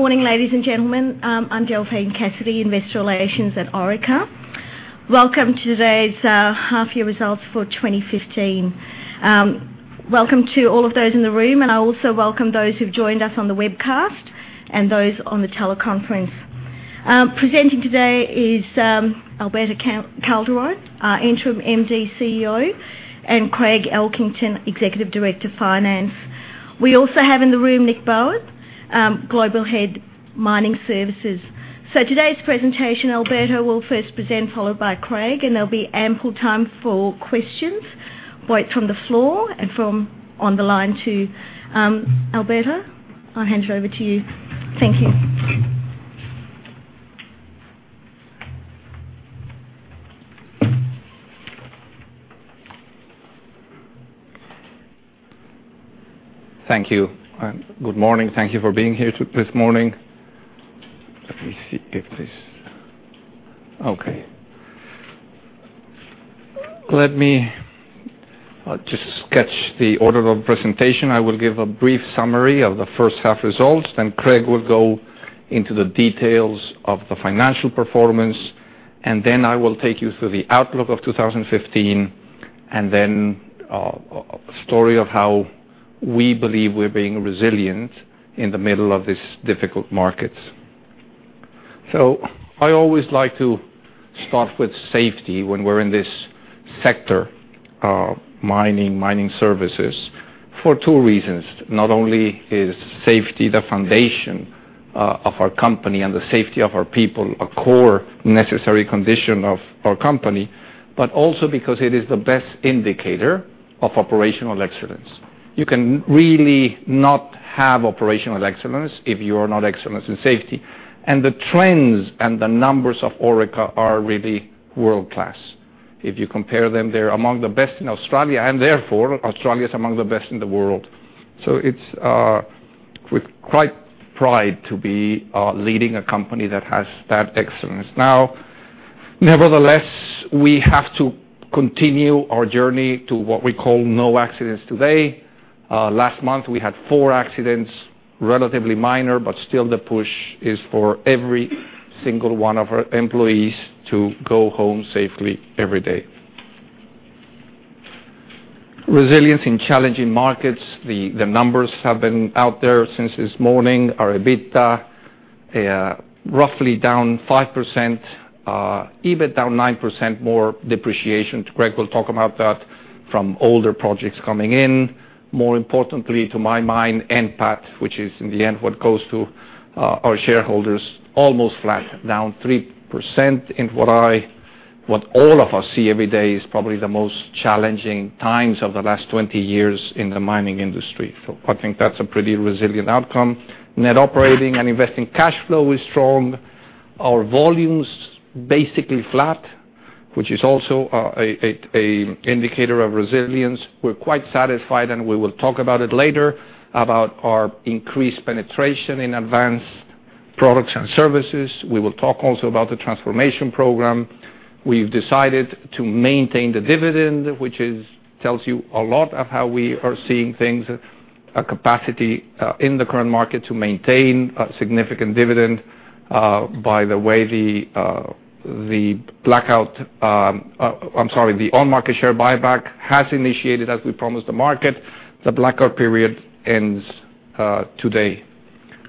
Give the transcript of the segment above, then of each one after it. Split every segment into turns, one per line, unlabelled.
Good morning, ladies and gentlemen. I'm Delphine Cassidy, Investor Relations at Orica. Welcome to today's half year results for 2015. Welcome to all of those in the room, and I also welcome those who've joined us on the webcast and those on the teleconference. Presenting today is Alberto Calderon, our Interim MD CEO, and Craig Elkington, Executive Director of Finance. We also have in the room Nick Bowen, Global Head Mining Services. Today's presentation, Alberto will first present, followed by Craig, and there'll be ample time for questions, both from the floor and from on the line too. Alberto, I'll hand it over to you. Thank you.
Thank you, and good morning. Thank you for being here this morning. Let me just sketch the order of presentation. I will give a brief summary of the first half results, then Craig will go into the details of the financial performance, and then I will take you through the outlook of 2015, and then a story of how we believe we're being resilient in the middle of these difficult markets. I always like to start with safety when we're in this sector, mining services, for two reasons. Not only is safety the foundation of our company and the safety of our people a core necessary condition of our company, but also because it is the best indicator of operational excellence. You can really not have operational excellence if you are not excellent in safety. The trends and the numbers of Orica are really world-class. If you compare them, they're among the best in Australia and therefore Australia is among the best in the world. It's with quite pride to be leading a company that has that excellence. Now, nevertheless, we have to continue our journey to what we call no accidents today. Last month, we had four accidents, relatively minor, but still the push is for every single one of our employees to go home safely every day. Resilience in challenging markets. The numbers have been out there since this morning. Our EBITDA roughly down 5%, EBIT down 9% more depreciation. Craig will talk about that from older projects coming in. More importantly, to my mind, NPAT, which is in the end what goes to our shareholders, almost flat, down 3% in what I, what all of us see every day is probably the most challenging times of the last 20 years in the mining industry. I think that's a pretty resilient outcome. Net operating and investing cash flow is strong. Our volume's basically flat, which is also an indicator of resilience. We're quite satisfied and we will talk about it later, about our increased penetration in advanced products and services. We will talk also about the transformation program. We've decided to maintain the dividend, which tells you a lot of how we are seeing things, a capacity in the current market to maintain a significant dividend. By the way, the blackout, I'm sorry, the on-market share buyback has initiated as we promised the market. The blackout period ends today.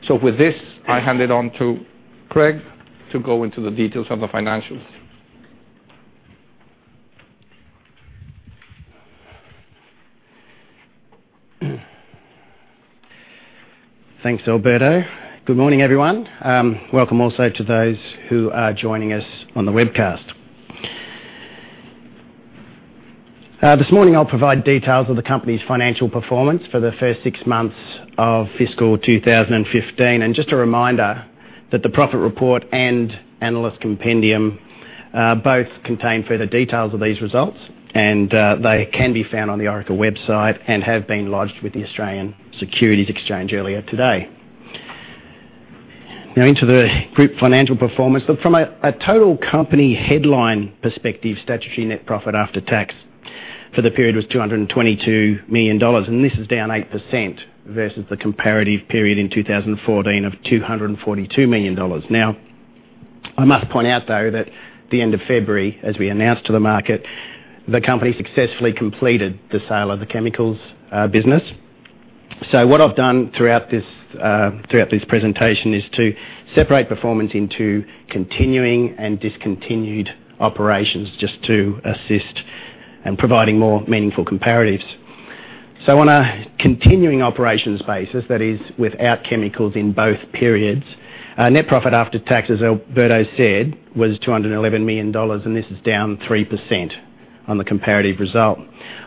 With this, I hand it on to Craig to go into the details of the financials.
Thanks, Alberto. Good morning, everyone. Welcome also to those who are joining us on the webcast. This morning I'll provide details of the company's financial performance for the first six months of FY 2015. Just a reminder that the profit report and analyst compendium both contain further details of these results, and they can be found on the Orica website and have been lodged with the Australian Securities Exchange earlier today. Into the group financial performance. From a total company headline perspective, statutory net profit after tax for the period was 222 million dollars, and this is down 8% versus the comparative period in 2014 of 242 million dollars. I must point out, though, that the end of February, as we announced to the market, the company successfully completed the sale of the chemicals business. What I've done throughout this presentation is to separate performance into continuing and discontinued operations just to assist in providing more meaningful comparatives. On a continuing operations basis, that is without chemicals in both periods, net profit after tax, as Alberto said, was 211 million dollars, and this is down 3% on the comparative result.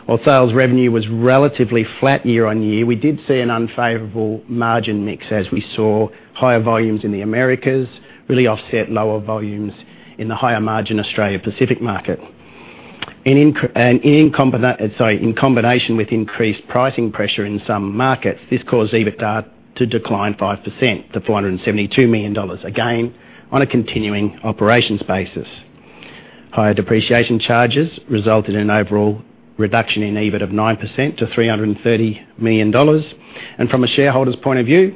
While sales revenue was relatively flat year-on-year, we did see an unfavorable margin mix as we saw higher volumes in the Americas really offset lower volumes in the higher margin Australia Pacific market. In combination with increased pricing pressure in some markets, this caused EBITDA to decline 5% to 472 million dollars, again, on a continuing operations basis. Higher depreciation charges resulted in overall reduction in EBIT of 9% to 330 million dollars. From a shareholder's point of view,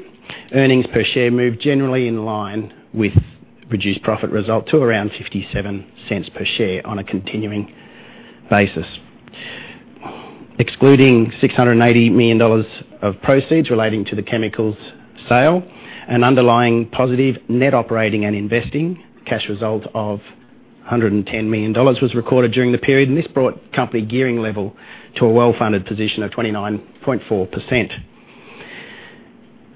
earnings per share moved generally in line with reduced profit result to around 0.57 per share on a continuing basis. Excluding 680 million dollars of proceeds relating to the chemicals sale, an underlying positive net operating and investing cash result of AUD 110 million was recorded during the period, and this brought company gearing level to a well-funded position of 29.4%.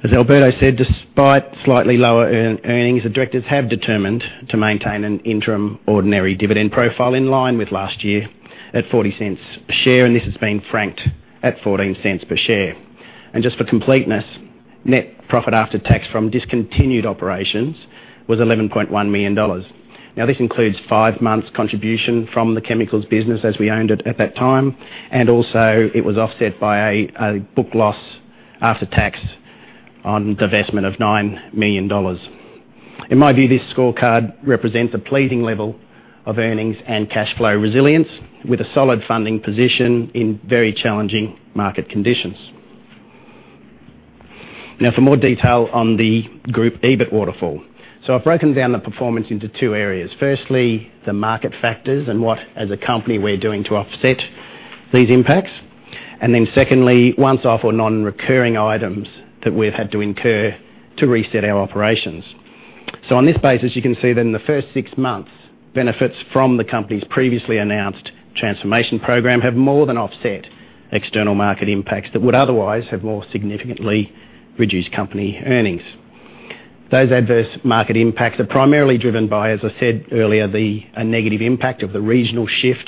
As Alberto said, despite slightly lower earnings, the directors have determined to maintain an interim ordinary dividend profile in line with last year at 0.40 per share, and this has been franked at 0.14 per share. Just for completeness, net profit after tax from discontinued operations was 11.1 million dollars. This includes five months contribution from the chemicals business as we owned it at that time, and also it was offset by a book loss after tax on divestment of 9 million dollars. In my view, this scorecard represents a pleasing level of earnings and cash flow resilience with a solid funding position in very challenging market conditions. For more detail on the group EBIT waterfall. I've broken down the performance into two areas. Firstly, the market factors and what as a company we're doing to offset these impacts. Then secondly, once off or non-recurring items that we've had to incur to reset our operations. On this basis, you can see that in the first six months, benefits from the company's previously announced transformation program have more than offset external market impacts that would otherwise have more significantly reduced company earnings. Those adverse market impacts are primarily driven by, as I said earlier, a negative impact of the regional shift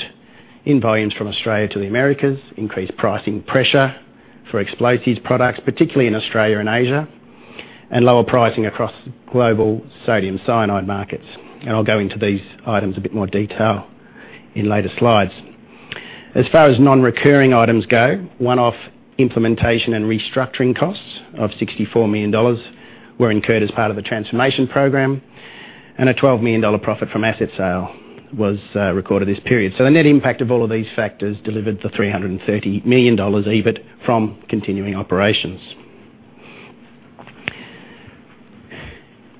in volumes from Australia to the Americas, increased pricing pressure for explosives products, particularly in Australia and Asia, and lower pricing across global sodium cyanide markets. I'll go into these items a bit more detail in later slides. As far as non-recurring items go, one-off implementation and restructuring costs of 64 million dollars were incurred as part of a transformation program, and a 12 million dollar profit from asset sale was recorded this period. The net impact of all of these factors delivered the 330 million dollars EBIT from continuing operations.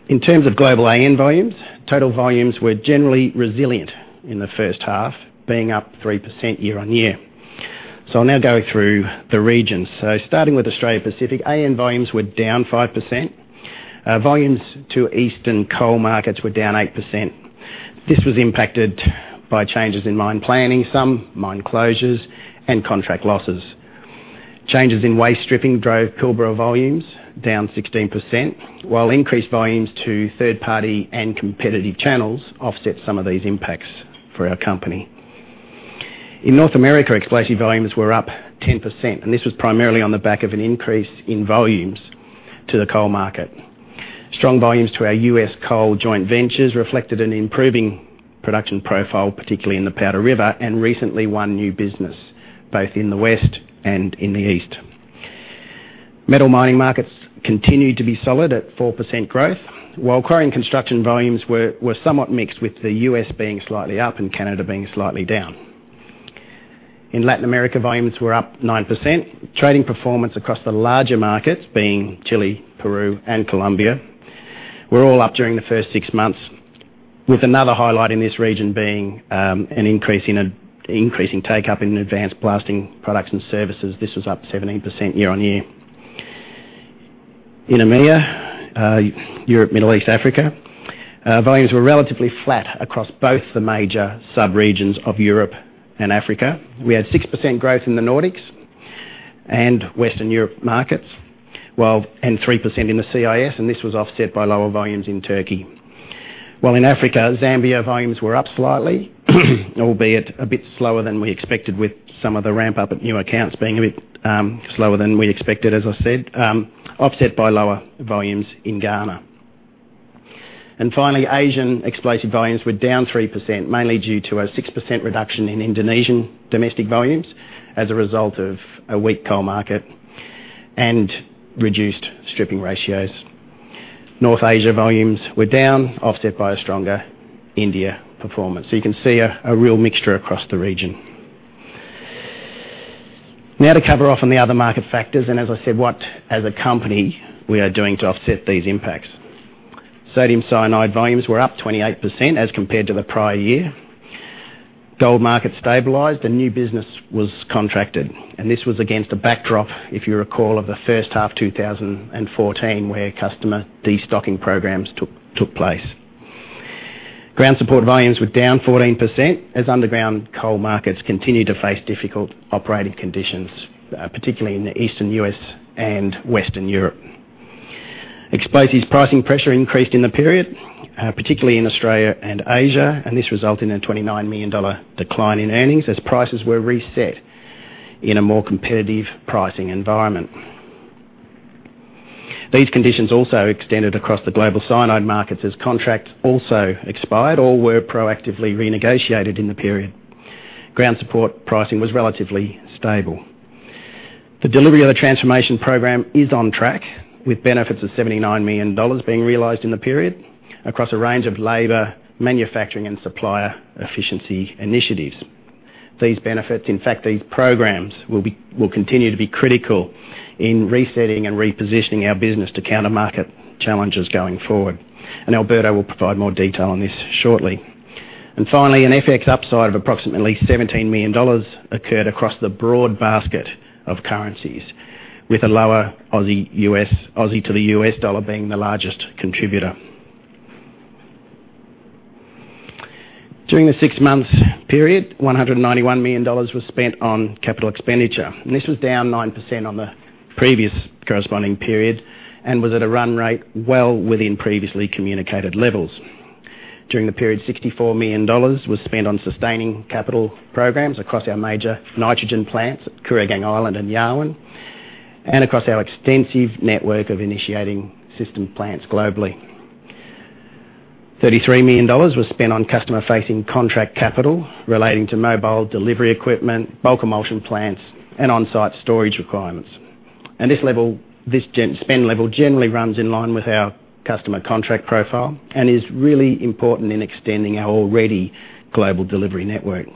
In terms of global AN volumes, total volumes were generally resilient in the first half, being up 3% year-on-year. I'll now go through the regions. Starting with Australia Pacific, AN volumes were down 5%. Volumes to eastern coal markets were down 8%. This was impacted by changes in mine planning, mine closures, and contract losses. Changes in waste stripping drove Pilbara volumes down 16%, while increased volumes to third party and competitive channels offset some of these impacts for our company. In North America, explosive volumes were up 10%. This was primarily on the back of an increase in volumes to the coal market. Strong volumes to our U.S. coal joint ventures reflected an improving production profile, particularly in the Powder River, and recently won new business both in the West and in the East. Metal mining markets continued to be solid at 4% growth, while quarry and construction volumes were somewhat mixed, with the U.S. being slightly up and Canada being slightly down. In Latin America, volumes were up 9%. Trading performance across the larger markets being Chile, Peru, and Colombia were all up during the first six months, with another highlight in this region being an increase in increasing take-up in advanced blasting products and services. This was up 17% year-on-year. In EMEA, Europe, Middle East, Africa, volumes were relatively flat across both the major subregions of Europe and Africa. We had 6% growth in the Nordics and Western Europe markets and 3% in the CIS, and this was offset by lower volumes in Turkey. While in Africa, Zambia volumes were up slightly, albeit a bit slower than we expected with some of the ramp up of new accounts being a bit slower than we expected, as I said, offset by lower volumes in Ghana. Asian explosive volumes were down 3%, mainly due to a 6% reduction in Indonesian domestic volumes as a result of a weak coal market and reduced stripping ratios. North Asia volumes were down, offset by a stronger India performance. You can see a real mixture across the region. To cover off on the other market factors, as I said, what as a company we are doing to offset these impacts. Sodium cyanide volumes were up 28% as compared to the prior year. Gold market stabilized and new business was contracted. This was against a backdrop, if you recall, of the first half 2014, where customer destocking programs took place. Ground support volumes were down 14% as underground coal markets continued to face difficult operating conditions, particularly in the Eastern U.S. and Western Europe. Explosives pricing pressure increased in the period, particularly in Australia and Asia, and this resulted in an 29 million dollar decline in earnings as prices were reset in a more competitive pricing environment. These conditions also extended across the global cyanide markets as contracts also expired or were proactively renegotiated in the period. Ground support pricing was relatively stable. The delivery of the transformation program is on track with benefits of 79 million dollars being realized in the period across a range of labor, manufacturing, and supplier efficiency initiatives. These benefits, in fact, these programs will continue to be critical in resetting and repositioning our business to counter market challenges going forward. Alberto will provide more detail on this shortly. Finally, an FX upside of approximately 17 million dollars occurred across the broad basket of currencies, with a lower Aussie to the U.S. dollar being the largest contributor. During the six months period, 191 million dollars was spent on capital expenditure, and this was down 9% on the previous corresponding period and was at a run rate well within previously communicated levels. During the period, 64 million dollars was spent on sustaining capital programs across our major nitrogen plants at Kooragang Island and Yarwun, and across our extensive network of initiating system plants globally. 33 million dollars was spent on customer-facing contract capital relating to mobile delivery equipment, bulk emulsion plants, and on-site storage requirements. This spend level generally runs in line with our customer contract profile and is really important in extending our already global delivery network.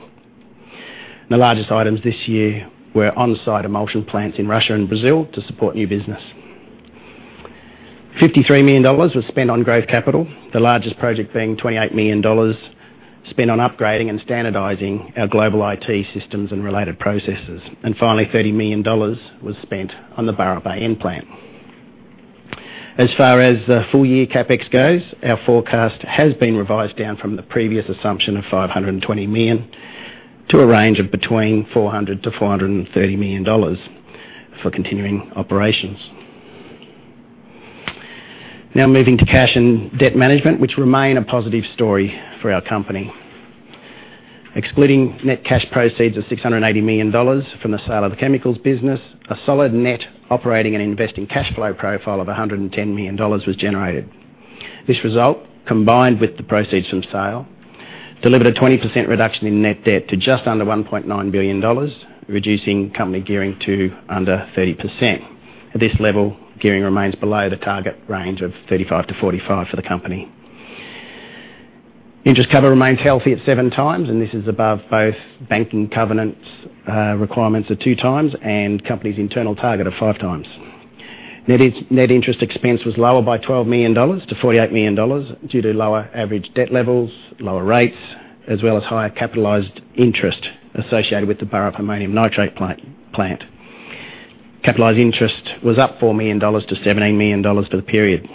The largest items this year were on-site emulsion plants in Russia and Brazil to support new business. 53 million dollars was spent on growth capital, the largest project being 28 million dollars spent on upgrading and standardizing our global IT systems and related processes. Finally, 30 million dollars was spent on the Barrow Bay AN Plant. As far as the full-year CapEx goes, our forecast has been revised down from the previous assumption of 520 million to a range of between 400 million-430 million dollars for continuing operations. Moving to cash and debt management, which remain a positive story for our company. Excluding net cash proceeds of 680 million dollars from the sale of the chemicals business, a solid net operating and investing cash flow profile of 110 million dollars was generated. This result, combined with the proceeds from sale, delivered a 20% reduction in net debt to just under 1.9 billion dollars, reducing company gearing to under 30%. At this level, gearing remains below the target range of 35%-45% for the company. Interest cover remains healthy at 7 times, and this is above both banking covenants requirements of 2 times and company's internal target of 5 times. Net interest expense was lower by 12 million dollars to 48 million dollars due to lower average debt levels, lower rates, as well as higher capitalized interest associated with the Burrup Ammonium Nitrate Plant. Capitalized interest was up 4 million dollars to 17 million dollars for the period.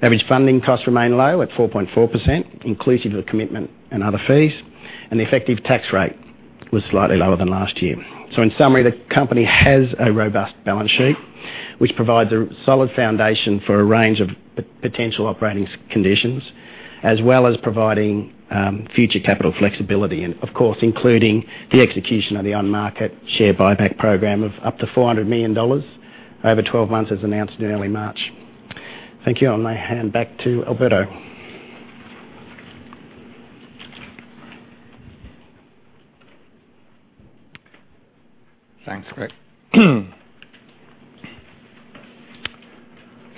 Average funding costs remain low at 4.4%, inclusive of commitment and other fees, and the effective tax rate was slightly lower than last year. In summary, the company has a robust balance sheet, which provides a solid foundation for a range of potential operating conditions, as well as providing future capital flexibility, and of course, including the execution of the on-market share buyback program of up to 400 million dollars over 12 months, as announced in early March. Thank you. I'll now hand back to Alberto.
Thanks, Greg.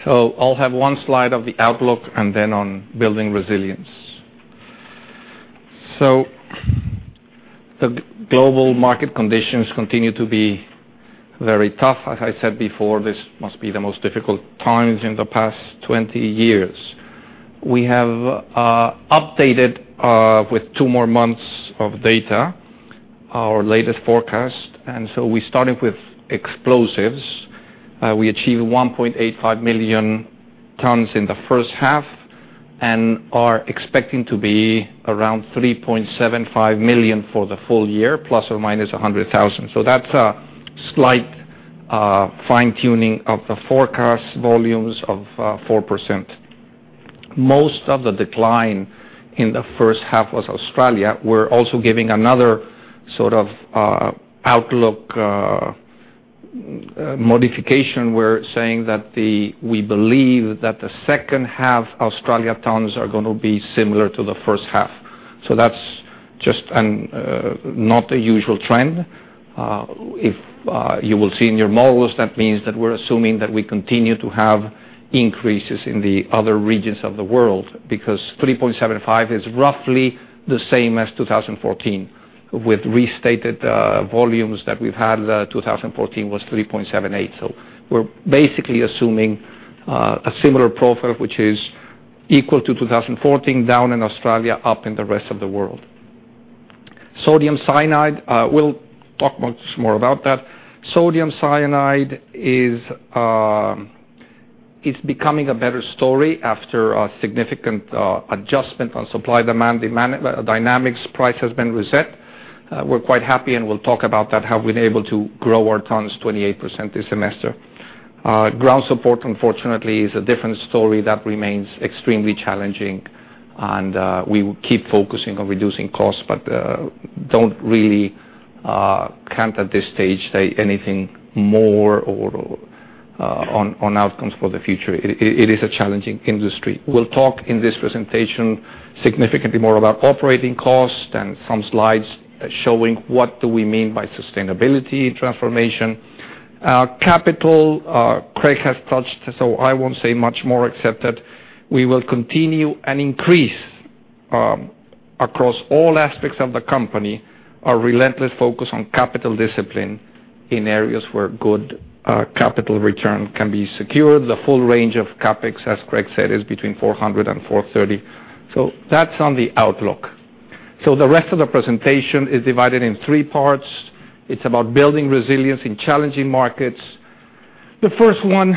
I'll have 1 slide of the outlook and then on building resilience. The global market conditions continue to be very tough. As I said before, this must be the most difficult times in the past 20 years. We have updated, with 2 more months of data, our latest forecast. We started with explosives. We achieved 1.85 million tons in the first half and are expecting to be around 3.75 million for the full year, ±100,000. That's a slight fine-tuning of the forecast volumes of 4%. Most of the decline in the first half was Australia. We're also giving another sort of outlook modification. We're saying that we believe that the second half Australia tons are going to be similar to the first half. That's just not a usual trend. If you will see in your models, that means that we're assuming that we continue to have increases in the other regions of the world because 3.75 is roughly the same as 2014, with restated volumes that we've had. 2014 was 3.78, so we're basically assuming a similar profile, which is equal to 2014, down in Australia, up in the rest of the world. Sodium cyanide, we'll talk much more about that. Sodium cyanide is becoming a better story after a significant adjustment on supply-demand dynamics. Price has been reset. We're quite happy, and we'll talk about that, how we've been able to grow our tons 28% this semester. Ground support, unfortunately, is a different story that remains extremely challenging, and we will keep focusing on reducing costs, but don't really count at this stage anything more or on outcomes for the future. It is a challenging industry. We'll talk in this presentation significantly more about operating costs and some slides showing what do we mean by sustainability transformation. Capital, Craig has touched, so I won't say much more, except that we will continue and increase across all aspects of the company, our relentless focus on capital discipline in areas where good capital return can be secured. The full range of CapEx, as Craig said, is between 400-430. That's on the outlook. The rest of the presentation is divided in three parts. It's about building resilience in challenging markets. The first one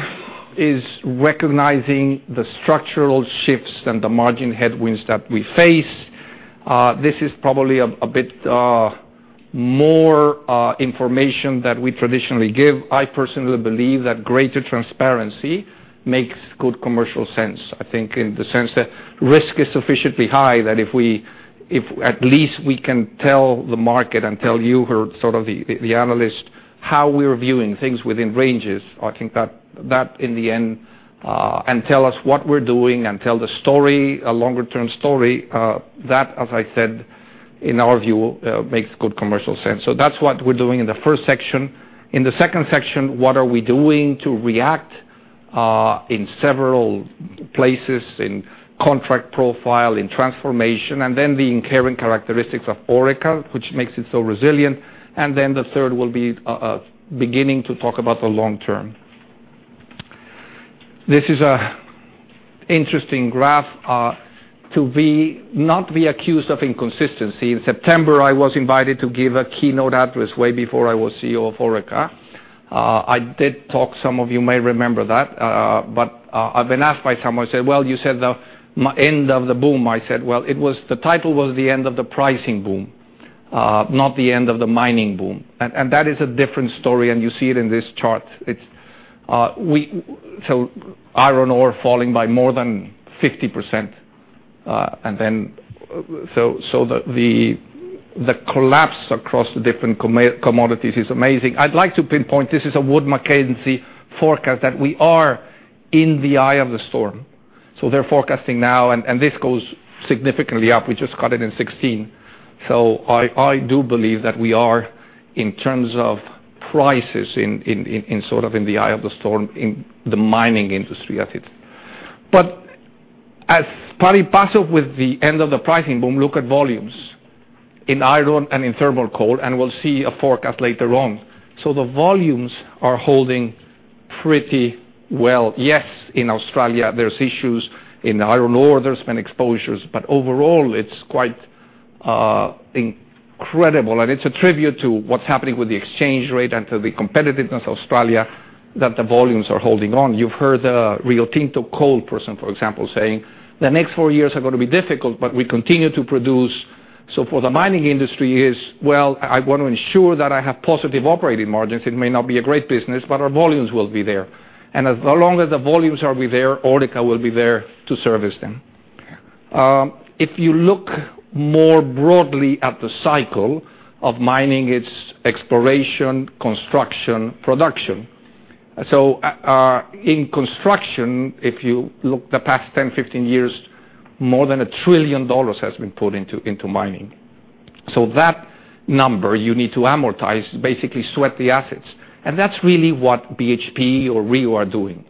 is recognizing the structural shifts and the margin headwinds that we face. This is probably a bit more information that we traditionally give. I personally believe that greater transparency makes good commercial sense. I think in the sense that risk is sufficiently high, that if at least we can tell the market and tell you who are the analysts, how we're viewing things within ranges, I think that in the end, and tell us what we're doing and tell the story, a longer-term story, that, as I said, in our view makes good commercial sense. That's what we're doing in the first section. In the second section, what are we doing to react, in several places, in contract profile, in transformation, and then the inherent characteristics of Orica, which makes it so resilient. The third will be beginning to talk about the long term. This is an interesting graph, to not be accused of inconsistency. In September, I was invited to give a keynote address way before I was CEO of Orica. I did talk, some of you may remember that. I've been asked by someone who said, "Well, you said the end of the boom." I said, "Well, the title was 'The End of the Pricing Boom,' not 'The End of the Mining Boom.'" That is a different story, and you see it in this chart. Iron ore falling by more than 50%. The collapse across the different commodities is amazing. I'd like to pinpoint, this is a Wood Mackenzie forecast that we are in the eye of the storm. They're forecasting now, and this goes significantly up. We just got it in 2016. I do believe that we are, in terms of prices, in the eye of the storm in the mining industry. As par for the parcel with the end of the pricing boom, look at volumes in iron and in thermal coal, and we'll see a forecast later on. The volumes are holding pretty well. Yes, in Australia, there's issues. In iron ore, there's been exposures. Overall, it's quite incredible, and it's a tribute to what's happening with the exchange rate and to the competitiveness of Australia that the volumes are holding on. You've heard the Rio Tinto coal person, for example, saying, "The next four years are going to be difficult, but we continue to produce." For the mining industry is, well, I want to ensure that I have positive operating margins. It may not be a great business, but our volumes will be there. As long as the volumes will be there, Orica will be there to service them. If you look more broadly at the cycle of mining, it's exploration, construction, production. In construction, if you look the past 10, 15 years, more than 1 trillion dollars has been put into mining. That number you need to amortize, basically sweat the assets. That's really what BHP or Rio are doing.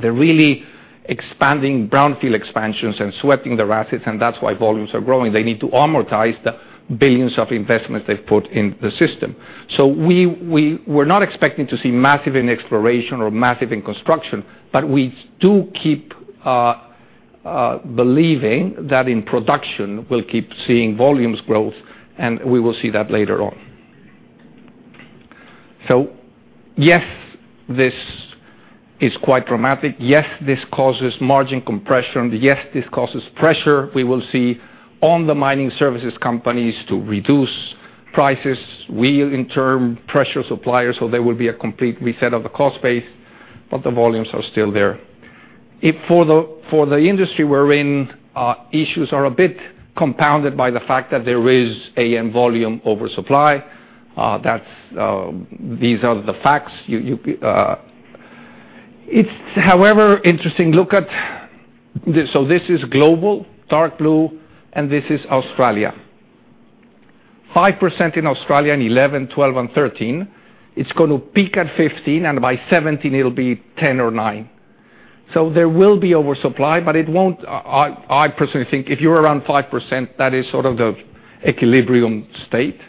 They're really expanding brownfield expansions and sweating their assets, and that's why volumes are growing. They need to amortize the billions of investments they've put in the system. We were not expecting to see massive in exploration or massive in construction, but we do keep believing that in production, we'll keep seeing volumes growth, and we will see that later on. Yes, this is quite dramatic. Yes, this causes margin compression. Yes, this causes pressure we will see on the mining services companies to reduce prices. We, in turn, pressure suppliers, there will be a complete reset of the cost base, but the volumes are still there. For the industry we're in, issues are a bit compounded by the fact that there is a volume oversupply. These are the facts. It's however interesting, look at this. This is global, dark blue, and this is Australia. 5% in Australia in 2011, 2012, and 2013. It's going to peak at 15%, and by 2017 it'll be 10% or 9%. There will be oversupply, but I personally think if you're around 5%, that is sort of the equilibrium state.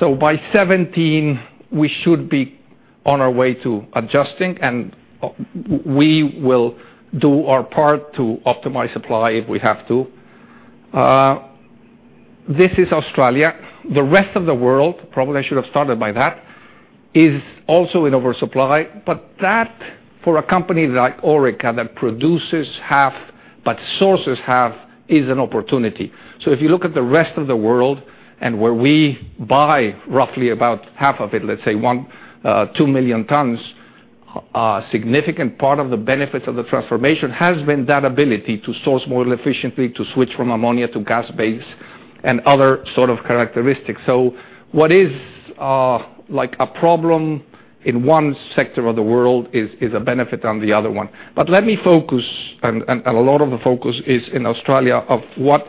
By 2017, we should be on our way to adjusting, and we will do our part to optimize supply if we have to. This is Australia. The rest of the world, probably I should have started by that, is also in oversupply. That for a company like Orica that produces half but sources half is an opportunity. If you look at the rest of the world and where we buy roughly about half of it, let's say 1, 2 million tons, a significant part of the benefits of the transformation has been that ability to source more efficiently, to switch from ammonia to gas base and other sort of characteristics. What is a problem in one sector of the world is a benefit on the other one. Let me focus, and a lot of the focus is in Australia, of what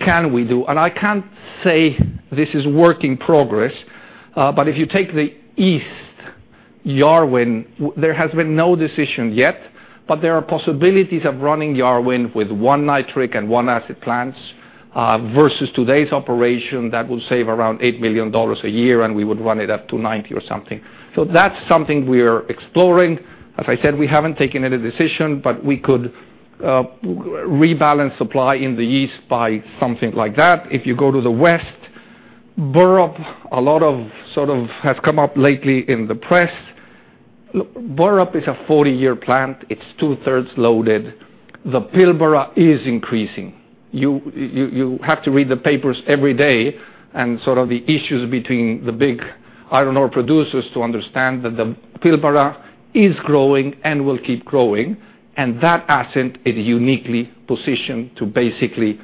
can we do. I can't say this is work in progress, but if you take the east Yarwun, there has been no decision yet, but there are possibilities of running Yarwun with 1 nitric and 1 acid plants, versus today's operation that will save around 8 million dollars a year, and we would run it up to 90% or something. That's something we are exploring. As I said, we haven't taken any decision, but we could rebalance supply in the east by something like that. If you go to the west, Burrup, a lot of sort of has come up lately in the press. Burrup is a 40-year plant. It's two-thirds loaded. The Pilbara is increasing. You have to read the papers every day and sort of the issues between the big iron ore producers to understand that the Pilbara is growing and will keep growing, and that asset is uniquely positioned to basically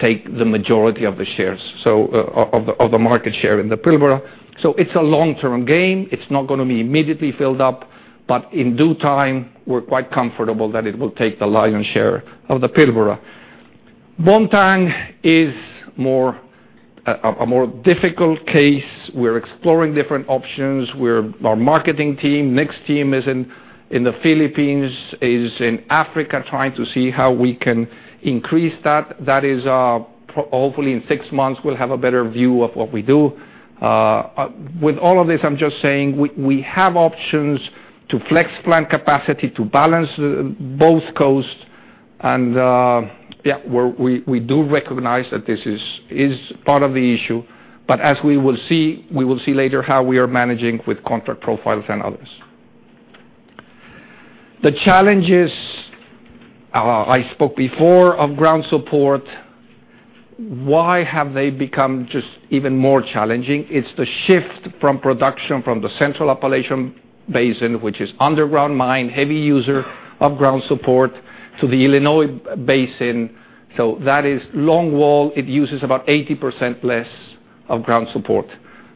take the majority of the shares, so of the market share in the Pilbara. It's a long-term gain. It's not going to be immediately filled up, but in due time, we're quite comfortable that it will take the lion's share of the Pilbara. Bontang is a more difficult case. We're exploring different options, our marketing team, Nick's team is in the Philippines, is in Africa trying to see how we can increase that. Hopefully in six months, we'll have a better view of what we do. With all of this, I'm just saying we have options to flex plant capacity to balance both coasts, we do recognize that this is part of the issue. As we will see later how we are managing with contract profiles and others. The challenges I spoke before of ground support. Why have they become just even more challenging? It's the shift from production from the Central Appalachian Basin, which is underground mine, heavy user of ground support, to the Illinois Basin. That is long wall. It uses about 80% less of ground support.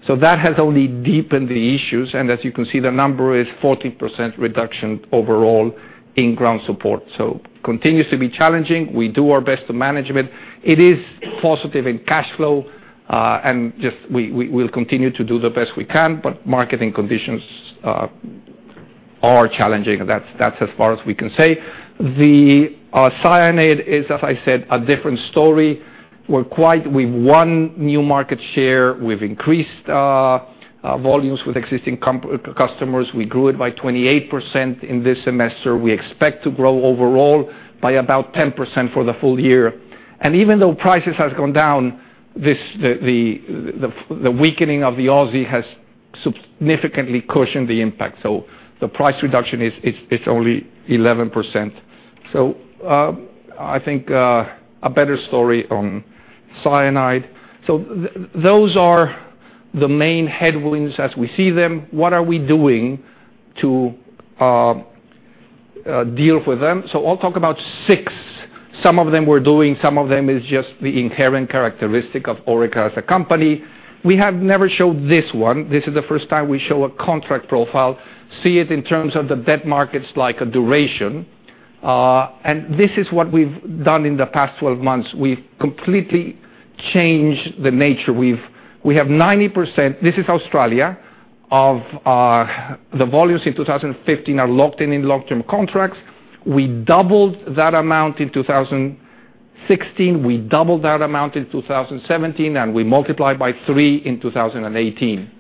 That has only deepened the issues, and as you can see, the number is 40% reduction overall in ground support. Continues to be challenging. We do our best to manage it. It is positive in cash flow. We will continue to do the best we can, marketing conditions are challenging. That's as far as we can say. The cyanide is, as I said, a different story. We've won new market share. We've increased our volumes with existing customers. We grew it by 28% in this semester. We expect to grow overall by about 10% for the full year. Even though prices has gone down, the weakening of the Aussie has significantly cushioned the impact. The price reduction is only 11%. I think a better story on cyanide. Those are the main headwinds as we see them. What are we doing to deal with them? I'll talk about six. Some of them we're doing, some of them is just the inherent characteristic of Orica as a company. We have never showed this one. This is the first time we show a contract profile, see it in terms of the debt markets like a duration. This is what we've done in the past 12 months. We've completely changed the nature. We have 90%, this is Australia, of the volumes in 2015 are locked in in long-term contracts. We doubled that amount in 2016. We doubled that amount in 2017, we multiplied by three in 2018.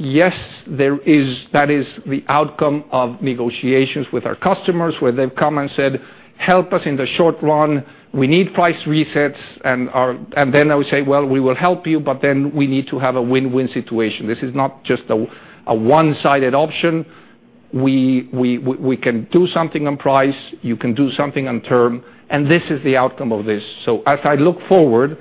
Yes, that is the outcome of negotiations with our customers, where they've come and said, "Help us in the short run. We need price resets." I will say, "Well, we will help you, we need to have a win-win situation." This is not just a one-sided option. We can do something on price. You can do something on term, this is the outcome of this. As I look forward,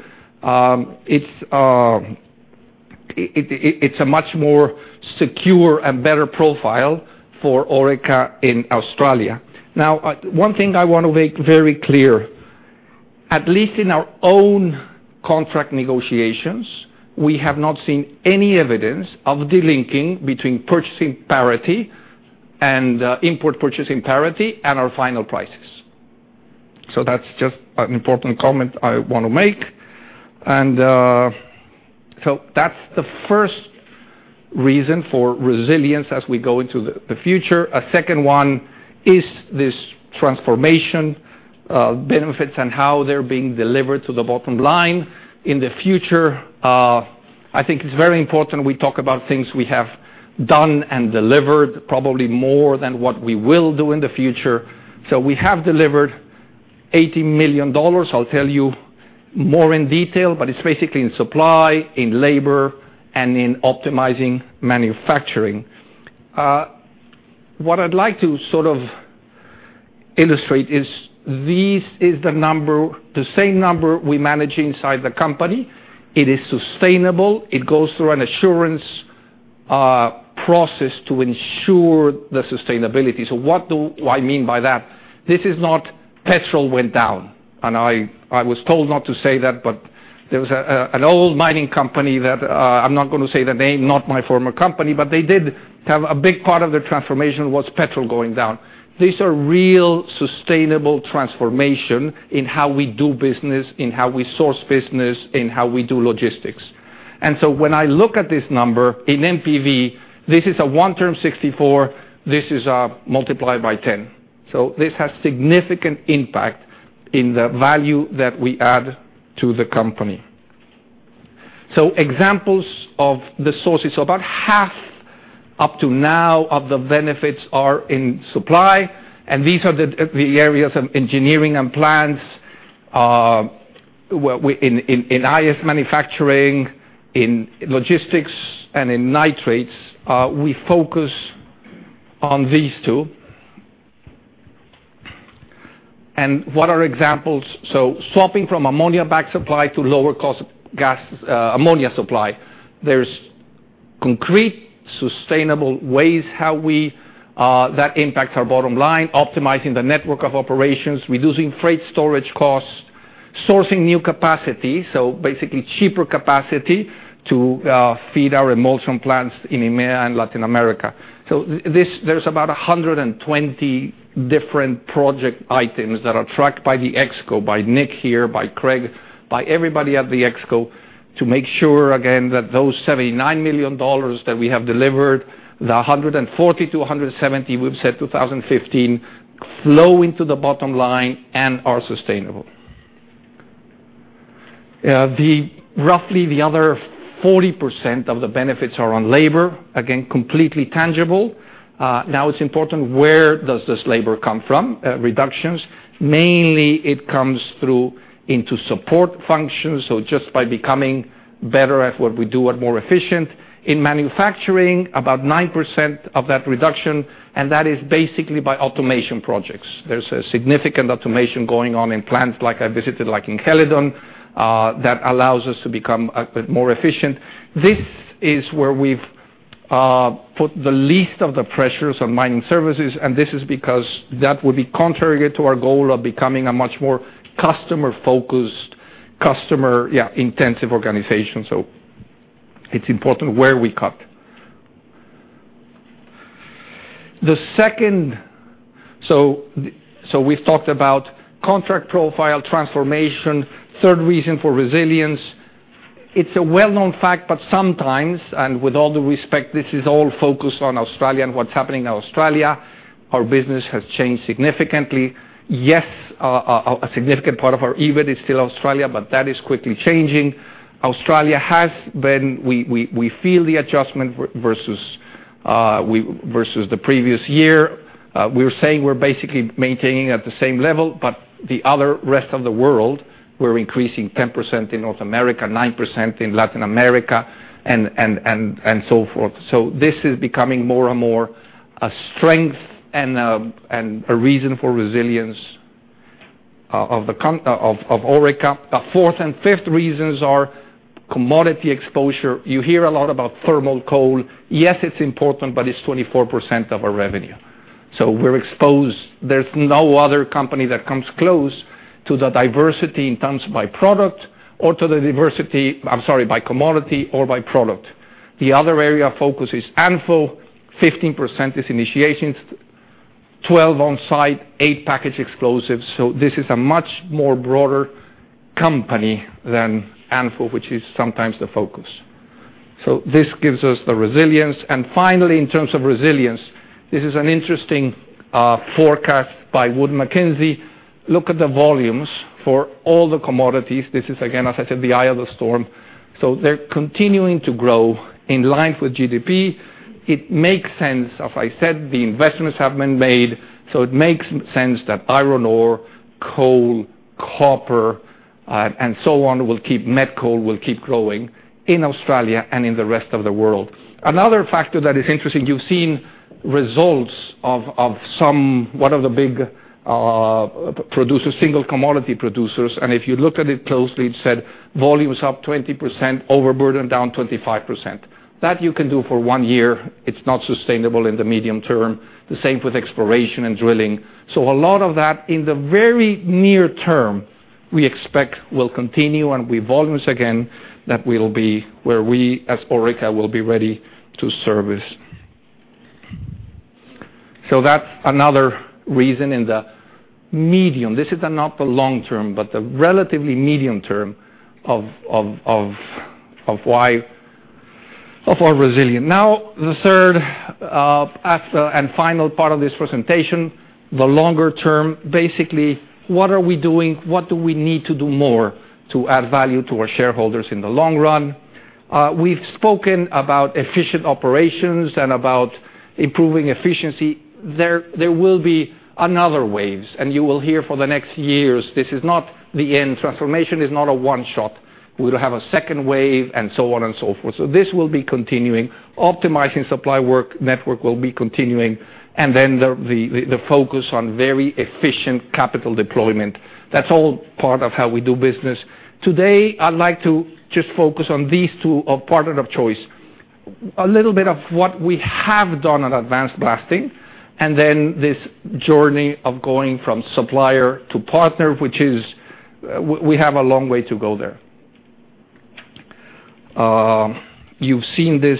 it's a much more secure and better profile for Orica in Australia. One thing I want to make very clear, at least in our own contract negotiations, we have not seen any evidence of delinking between purchasing parity and import parity pricing and our final prices. That's just an important comment I want to make. That's the first reason for resilience as we go into the future. A second one is this transformation, benefits and how they're being delivered to the bottom line in the future. I think it's very important we talk about things we have done and delivered probably more than what we will do in the future. We have delivered 80 million dollars. I'll tell you more in detail, but it's basically in supply, in labor, and in optimizing manufacturing. What I'd like to sort of illustrate is this is the number, the same number we manage inside the company. It is sustainable. It goes through an assurance A process to ensure the sustainability. What do I mean by that? This is not petrol went down, and I was told not to say that, but there was an old mining company that I'm not going to say the name, not my former company, but they did have a big part of their transformation was petrol going down. These are real sustainable transformation in how we do business, in how we source business, in how we do logistics. When I look at this number in NPV, this is a one term 64, this is multiplied by 10. This has significant impact in the value that we add to the company. Examples of the sources. About half up to now of the benefits are in supply and these are the areas of engineering and plants, in IS manufacturing, in logistics and in nitrates. We focus on these two. What are examples? Swapping from ammonia back supply to lower cost ammonia supply. There's concrete sustainable ways how that impacts our bottom line, optimizing the network of operations, reducing freight storage costs, sourcing new capacity, basically cheaper capacity to feed our emulsion plants in EMEA and Latin America. There's about 120 different project items that are tracked by the ExCo, by Nick here, by Craig, by everybody at the ExCo to make sure again, that those 79 million dollars that we have delivered, the 140-170 we've said 2015, flow into the bottom line and are sustainable. Roughly the other 40% of the benefits are on labor. Again, completely tangible. It's important where does this labor come from, reductions? Mainly it comes through into support functions, just by becoming better at what we do and more efficient. In manufacturing, about 9% of that reduction, and that is basically by automation projects. There's a significant automation going on in plants like I visited like in Carseland, that allows us to become a bit more efficient. This is where we've put the least of the pressures on mining services and this is because that would be contrary to our goal of becoming a much more customer-focused, customer-intensive organization. It's important where we cut. The second, we've talked about contract profile transformation. Third reason for resilience. It's a well-known fact, but sometimes, and with all due respect, this is all focused on Australia and what's happening in Australia. Our business has changed significantly. A significant part of our EBIT is still Australia, that is quickly changing. Australia, we feel the adjustment versus the previous year. We are saying we're basically maintaining at the same level, but the other rest of the world, we're increasing 10% in North America, 9% in Latin America and so forth. This is becoming more and more a strength and a reason for resilience of Orica. The fourth and fifth reasons are commodity exposure. You hear a lot about thermal coal. Yes, it's important, but it's 24% of our revenue. We're exposed. There's no other company that comes close to the diversity in terms by product or to the diversity, I'm sorry, by commodity or by product. The other area of focus is ANFO, 15% is initiation, 12 on site, eight packaged explosives, so this is a much more broader company than ANFO which is sometimes the focus. This gives us the resilience. Finally, in terms of resilience, this is an interesting forecast by Wood Mackenzie. Look at the volumes for all the commodities. This is again, as I said, the eye of the storm. They're continuing to grow in line with GDP. It makes sense. As I said, the investments have been made, so it makes sense that iron ore, coal, copper and so on, met coal will keep growing in Australia and in the rest of the world. Another factor that is interesting, you've seen results of one of the big single commodity producers and if you look at it closely, it said volumes up 20%, overburden down 25%. That you can do for one year. It's not sustainable in the medium term. The same with exploration and drilling. A lot of that in the very near term we expect will continue and with volumes again, that we'll be where we as Orica will be ready to service. That's another reason in the medium. This is not the long term, but the relatively medium term of our resilient. The third and final part of this presentation, the longer term. What are we doing? What do we need to do more to add value to our shareholders in the long run? We've spoken about efficient operations and about improving efficiency. There will be another waves and you will hear for the next years, this is not the end. Transformation is not a one shot. We will have a second wave and so on and so forth. This will be continuing. Optimizing supply work network will be continuing, the focus on very efficient capital deployment. That's all part of how we do business. Today, I'd like to just focus on these two of partner of choice. A little bit of what we have done on advanced blasting, and then this journey of going from supplier to partner, which is we have a long way to go there. You've seen this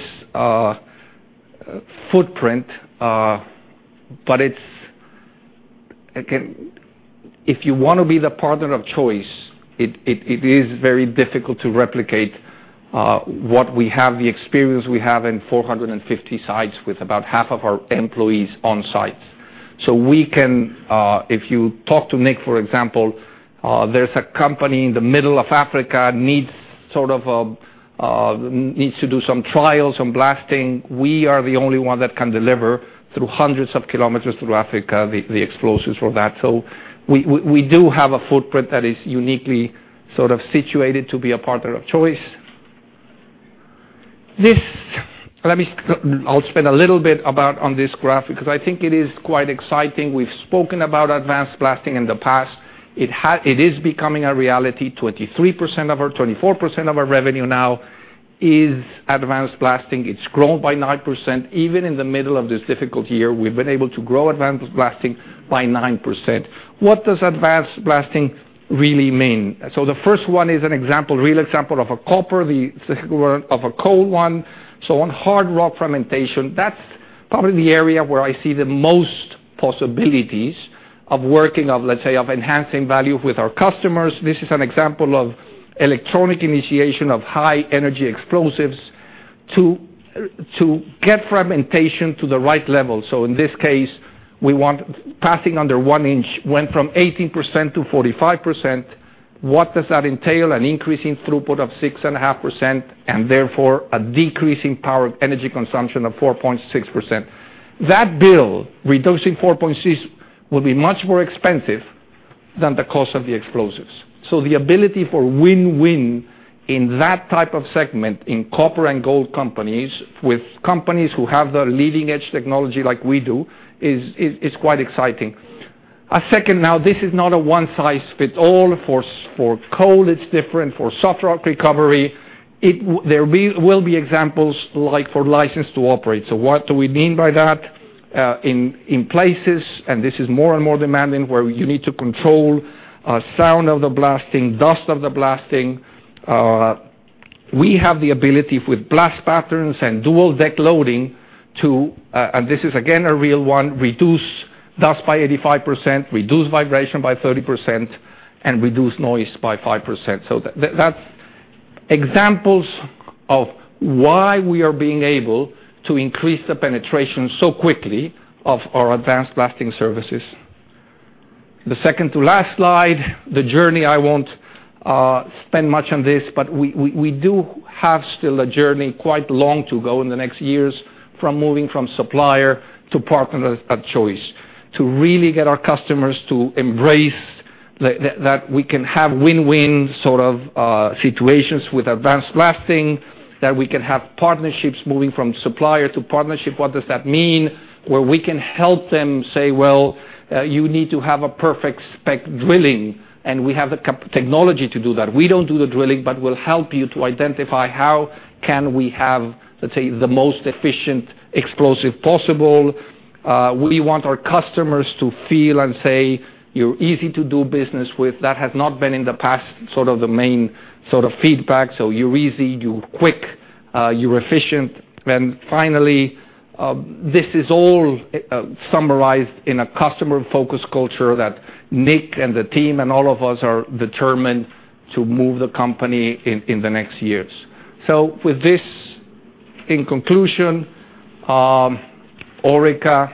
footprint, but if you want to be the partner of choice, it is very difficult to replicate what we have, the experience we have in 450 sites with about half of our employees on site. If you talk to Nick, for example, there's a company in the middle of Africa, needs to do some trials on blasting. We are the only one that can deliver through hundreds of kilometers through Africa, the explosives for that. We do have a footprint that is uniquely situated to be a partner of choice. I'll spend a little bit about on this graph, because I think it is quite exciting. We've spoken about advanced blasting in the past. It is becoming a reality. 24% of our revenue now is advanced blasting. It's grown by 9%. Even in the middle of this difficult year, we've been able to grow advanced blasting by 9%. What does advanced blasting really mean? The first one is an example, real example of a copper, the second one of a coal one. On hard rock fragmentation, that's probably the area where I see the most possibilities of working of, let's say, of enhancing value with our customers. This is an example of electronic initiation of high-energy explosives to get fragmentation to the right level. In this case, we want passing under one inch, went from 18% to 45%. What does that entail? An increase in throughput of 6.5% and therefore a decrease in power energy consumption of 4.6%. That bill, reducing 4.6%, will be much more expensive than the cost of the explosives. The ability for win-win in that type of segment in copper and gold companies with companies who have the leading edge technology like we do is quite exciting. A second now, this is not a one-size-fits-all. For coal, it's different, for soft rock recovery, there will be examples like for license to operate. What do we mean by that? In places, and this is more and more demanding, where you need to control sound of the blasting, dust of the blasting, we have the ability with blast patterns and dual deck loading to, and this is again, a real one, reduce dust by 85%, reduce vibration by 30%, and reduce noise by 5%. That's examples of why we are being able to increase the penetration so quickly of our advanced blasting services. The second-to-last slide, the journey, I won't spend much on this, but we do have still a journey quite long to go in the next years from moving from supplier to partner of choice to really get our customers to embrace that we can have win-win sort of situations with advanced blasting, that we can have partnerships moving from supplier to partnership. What does that mean? Where we can help them say, "You need to have a perfect spec drilling," and we have the technology to do that. We don't do the drilling, but we'll help you to identify how can we have, let's say, the most efficient explosive possible. We want our customers to feel and say, "You're easy to do business with." That has not been in the past sort of the main feedback. You're easy, you're quick, you're efficient. Finally, this is all summarized in a customer-focused culture that Nick and the team and all of us are determined to move the company in the next years. With this, in conclusion, Orica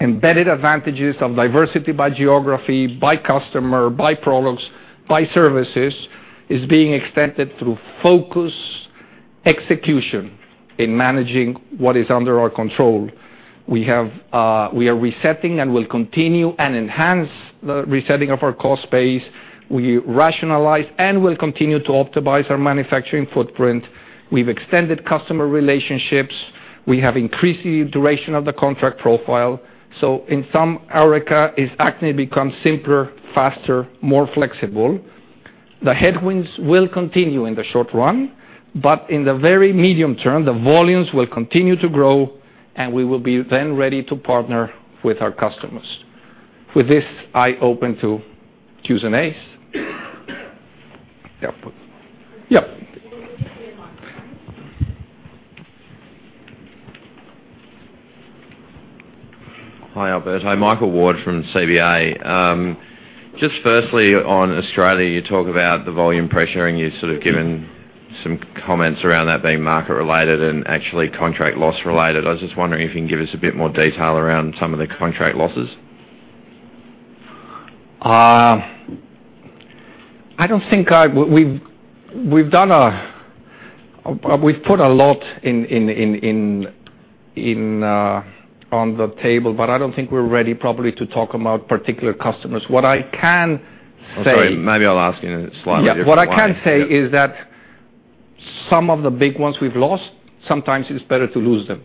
embedded advantages of diversity by geography, by customer, by products, by services, is being extended through focused execution in managing what is under our control. We are resetting and will continue and enhance the resetting of our cost base. We rationalize and will continue to optimize our manufacturing footprint. We've extended customer relationships. We have increased the duration of the contract profile. In sum, Orica is acting to become simpler, faster, more flexible. The headwinds will continue in the short run, but in the very medium term, the volumes will continue to grow, and we will be then ready to partner with our customers. With this, I open to Q's and A's. Yeah.
Can you just repeat the mic, sorry.
Hi, Alberto. Michael Ward from CBA. Firstly, on Australia, you talk about the volume pressure, and you've sort of given some comments around that being market related and actually contract loss related. I was just wondering if you can give us a bit more detail around some of the contract losses.
We've put a lot on the table, I don't think we're ready probably to talk about particular customers. What I can say-
I'm sorry. Maybe I'll ask in a slightly different way.
Yeah. What I can say is that some of the big ones we've lost, sometimes it's better to lose them.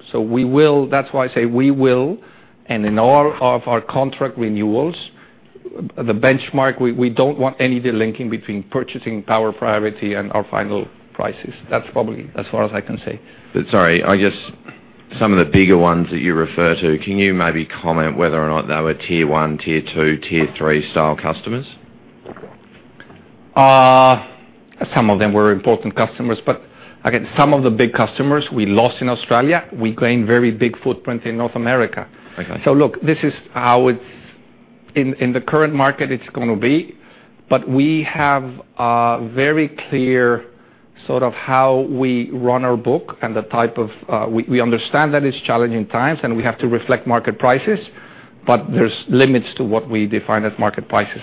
That's why I say we will, and in all of our contract renewals. The benchmark, we don't want any delinking between purchasing power priority and our final prices. That's probably as far as I can say.
Sorry, I guess some of the bigger ones that you refer to, can you maybe comment whether or not they were tier 1, tier 2, tier 3 style customers?
Some of them were important customers. Again, some of the big customers we lost in Australia, we gained very big footprint in North America.
Okay.
Look, this is how it's in the current market it's going to be. We have a very clear sort of how we run our book. We understand that it's challenging times and we have to reflect market prices, but there's limits to what we define as market prices.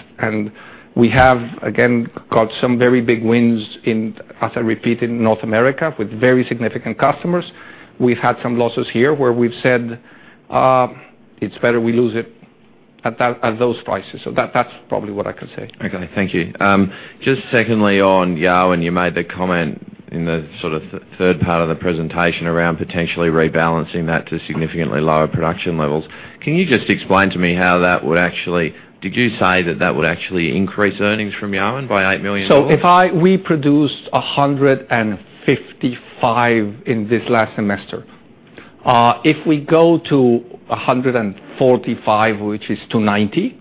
We have, again, got some very big wins in, as I repeat, in North America with very significant customers. We've had some losses here where we've said, "It's better we lose it at those prices." That's probably what I can say.
Okay, thank you. Just secondly, on Yarwun, you made the comment in the sort of third part of the presentation around potentially rebalancing that to significantly lower production levels. Can you just explain to me how that would actually. Did you say that that would actually increase earnings from Yarwun by 8 million?
We produced 155 in this last semester. If we go to 145, which is 290,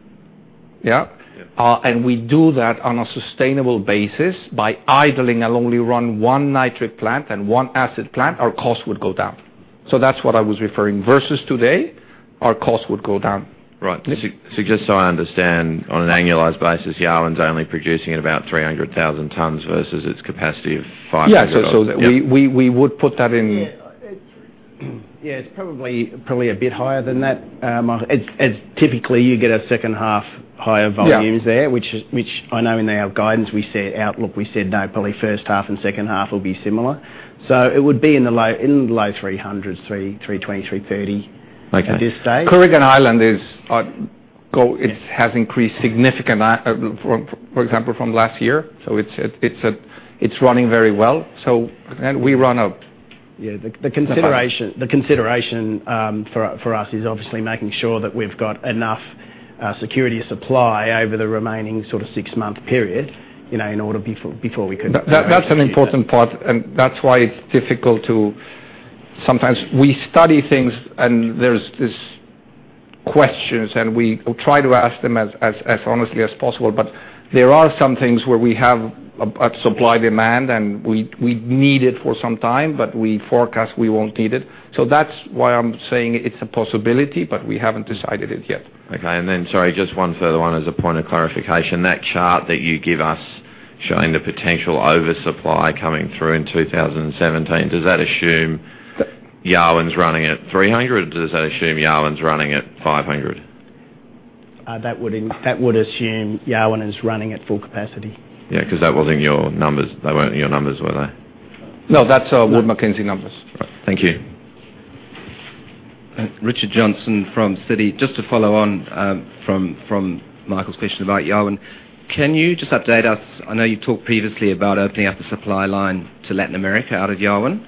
yeah?
Yeah.
We do that on a sustainable basis by idling and only run one nitric plant and one acid plant, our cost would go down. That's what I was referring. Versus today, our cost would go down.
Right. Just so I understand, on an annualized basis, Yarwun's only producing at about 300,000 tons versus its capacity of 500,000.
Yeah. We would put that in.
Yeah. It's probably a bit higher than that. As typically you get a second half higher volumes.
Yeah
there, which I know in our guidance we said outlook, we said no, probably first half and second half will be similar. It would be in the low 300s, 320, 330.
Okay
at this stage.
Kooragang Island has increased significant, for example, from last year. It's running very well.
Yeah. The consideration for us is obviously making sure that we've got enough security of supply over the remaining sort of six-month period.
That's an important part, and that's why it's difficult to Sometimes we study things and there's questions, and we try to ask them as honestly as possible. There are some things where we have a supply-demand, and we need it for some time, but we forecast we won't need it. That's why I'm saying it's a possibility, but we haven't decided it yet.
Sorry, just one further one as a point of clarification. That chart that you give us showing the potential oversupply coming through in 2017, does that assume Yarwun's running at 300 or does that assume Yarwun's running at 500?
That would assume Yarwun is running at full capacity.
Yeah, because that wasn't your numbers. They weren't your numbers, were they?
No, that's Wood Mackenzie numbers.
Right. Thank you.
Richard Johnson from Citi. Just to follow on from Michael's question about Yarwun. Can you just update us, I know you talked previously about opening up the supply line to Latin America out of Yarwun,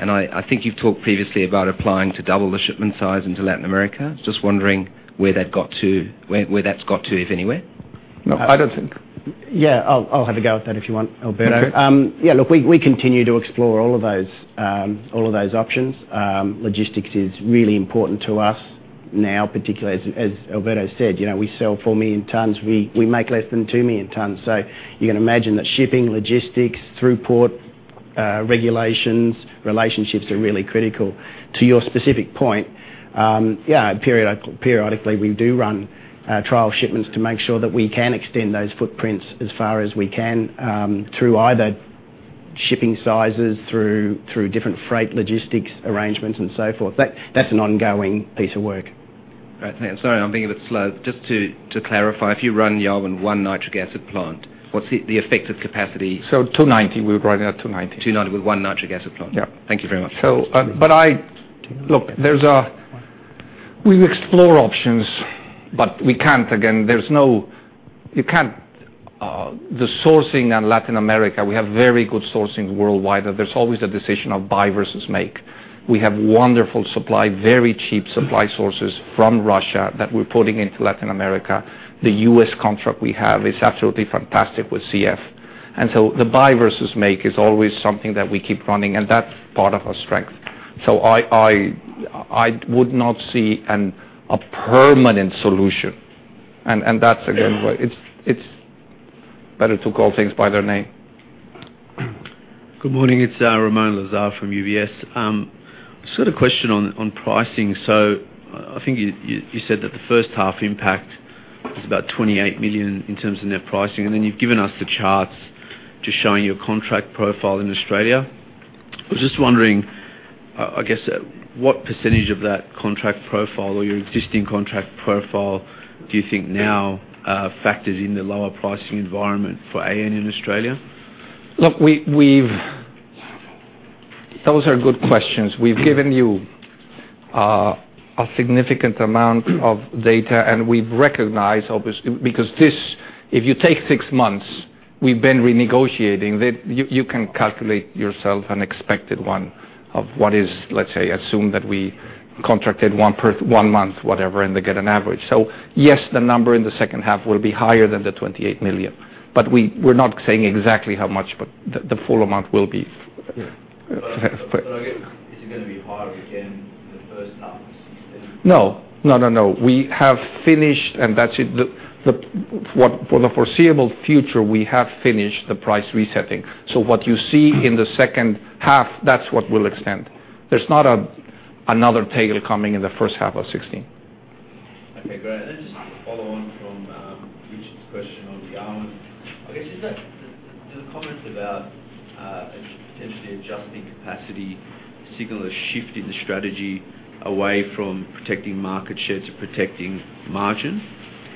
and I think you've talked previously about applying to double the shipment size into Latin America. Just wondering where that's got to, if anywhere.
No, I don't think.
Yeah, I'll have a go at that if you want, Alberto.
Okay.
Yeah, look, we continue to explore all of those options. Logistics is really important to us now, particularly as Alberto said. We sell 4 million tons. We make less than 2 million tons. You can imagine that shipping, logistics, through port, regulations, relationships are really critical. To your specific point, yeah, periodically we do run trial shipments to make sure that we can extend those footprints as far as we can, through either shipping sizes, through different freight logistics arrangements and so forth. That's an ongoing piece of work.
Right. Sorry, I'm being a bit slow. Just to clarify, if you run Yarwun one nitric acid plant, what's the effective capacity?
290. We're running at 290.
290 with one nitric acid plant.
Yeah.
Thank you very much.
We explore options, but we can't, again, there's no. The sourcing in Latin America, we have very good sourcing worldwide, and there's always a decision of buy versus make. We have wonderful supply, very cheap supply sources from Russia that we're putting into Latin America. The U.S. contract we have is absolutely fantastic with CF. The buy versus make is always something that we keep running, and that's part of our strength. I would not see a permanent solution. That's again, it's better to call things by their name.
Good morning, it's Romain Lazar from UBS. Just got a question on pricing. I think you said that the first half impact is about 28 million in terms of net pricing, and then you've given us the charts just showing your contract profile in Australia. I was just wondering, I guess, what % of that contract profile or your existing contract profile do you think now factors in the lower pricing environment for AN in Australia?
Those are good questions. We've given you a significant amount of data, and we've recognized obviously, because this, if you take six months. We've been renegotiating. You can calculate yourself an expected one of what is, let's say, assume that we contracted one month, whatever, and they get an average. Yes, the number in the second half will be higher than the 28 million. We're not saying exactly how much, but the full amount will be.
I get is it going to be higher again than the first half of 2016?
No. We have finished, and that's it. For the foreseeable future, we have finished the price resetting. What you see in the second half, that's what we'll extend. There's not another tail coming in the first half of 2016.
Okay, great. Just to follow on from Richard's question on the AN. I guess, the comments about potentially adjusting capacity signal a shift in the strategy away from protecting market share to protecting margin.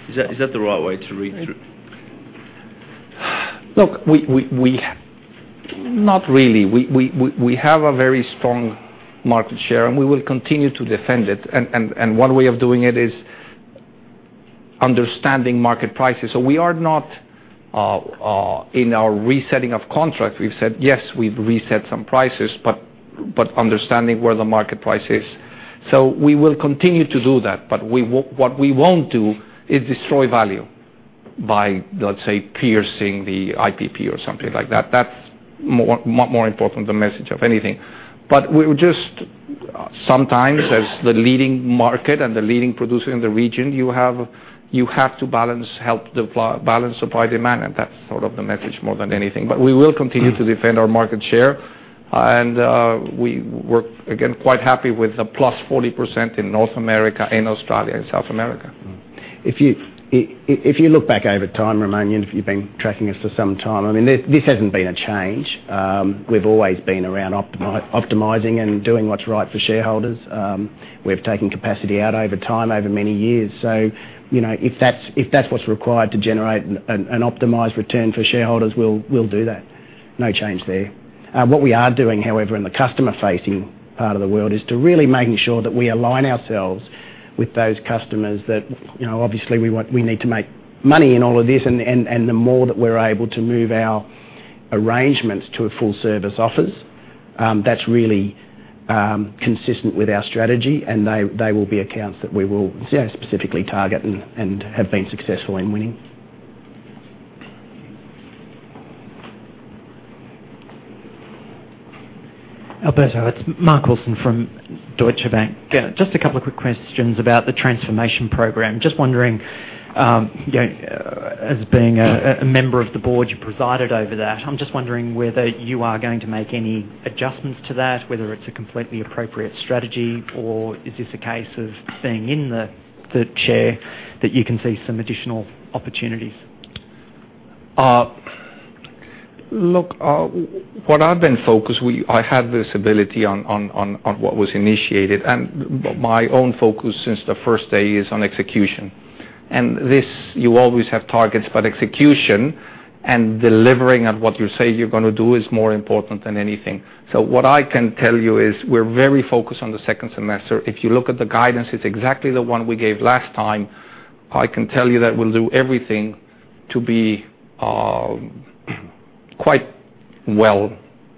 Is that the right way to read through?
Look, not really. We have a very strong market share. We will continue to defend it, and one way of doing it is understanding market prices. We are not in our resetting of contracts. We've said, yes, we've reset some prices, but understanding where the market price is. We will continue to do that, but what we won't do is destroy value by, let's say, piercing the IPP or something like that. That's more important, the message of anything. We would just sometimes, as the leading market and the leading producer in the region, you have to balance supply and demand, that's sort of the message more than anything. We will continue to defend our market share. We were, again, quite happy with the plus 40% in North America, in Australia, and South America.
If you look back over time, Romain, if you've been tracking us for some time, this hasn't been a change. We've always been around optimizing and doing what's right for shareholders. We've taken capacity out over time, over many years. If that's what's required to generate an optimized return for shareholders, we'll do that. No change there. What we are doing, however, in the customer-facing part of the world, is to really making sure that we align ourselves with those customers that, obviously we need to make money in all of this. The more that we're able to move our arrangements to a full service office, that's really consistent with our strategy, and they will be accounts that we will specifically target and have been successful in winning.
Alberto, it's Mark Wilson from Deutsche Bank. Just a couple of quick questions about the transformation program. Just wondering, as being a member of the board, you presided over that. I'm just wondering whether you are going to make any adjustments to that, whether it's a completely appropriate strategy, or is this a case of being in the chair that you can see some additional opportunities?
Look, what I've been focused, I have this ability on what was initiated, my own focus since the first day is on execution. This, you always have targets, but execution and delivering on what you say you're going to do is more important than anything. What I can tell you is we're very focused on the second semester. If you look at the guidance, it's exactly the one we gave last time. I can tell you that we'll do everything to be quite well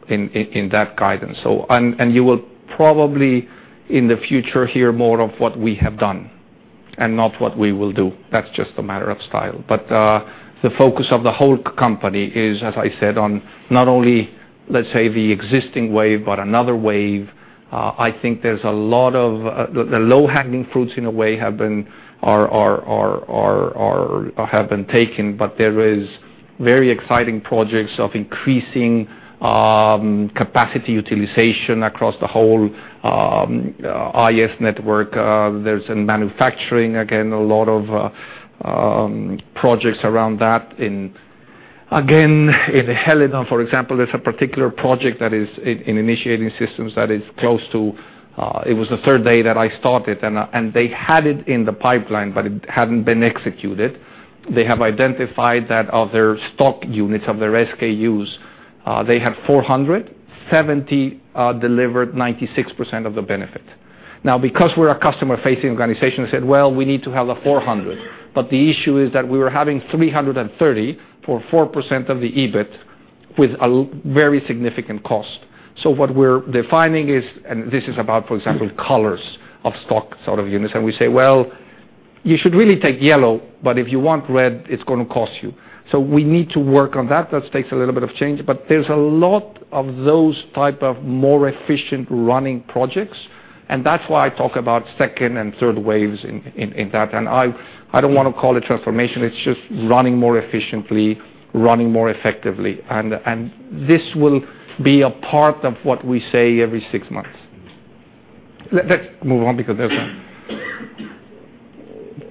in that guidance. You will probably, in the future, hear more of what we have done and not what we will do. That's just a matter of style. The focus of the whole company is, as I said, on not only, let's say, the existing wave, but another wave. I think the low-hanging fruits in a way have been taken, but there is very exciting projects of increasing capacity utilization across the whole IS network. There's in manufacturing, again, a lot of projects around that. Again, in Helena, for example, there's a particular project that is in initiating systems that is close to it was the third day that I started, and they had it in the pipeline, but it hadn't been executed. They have identified that of their stock units, of their SKUs, they have 400. Seventy delivered 96% of the benefit. Now, because we're a customer-facing organization, we said, "Well, we need to have a 400." The issue is that we were having 330 for 4% of the EBIT with a very significant cost. What we're defining is, and this is about, for example, colors of stock sort of units. We say, "Well, you should really take yellow, but if you want red, it's going to cost you." We need to work on that. That takes a little bit of change, but there's a lot of those type of more efficient running projects, and that's why I talk about second and third waves in that. I don't want to call it transformation. It's just running more efficiently, running more effectively. This will be a part of what we say every six months. Let's move on because there's.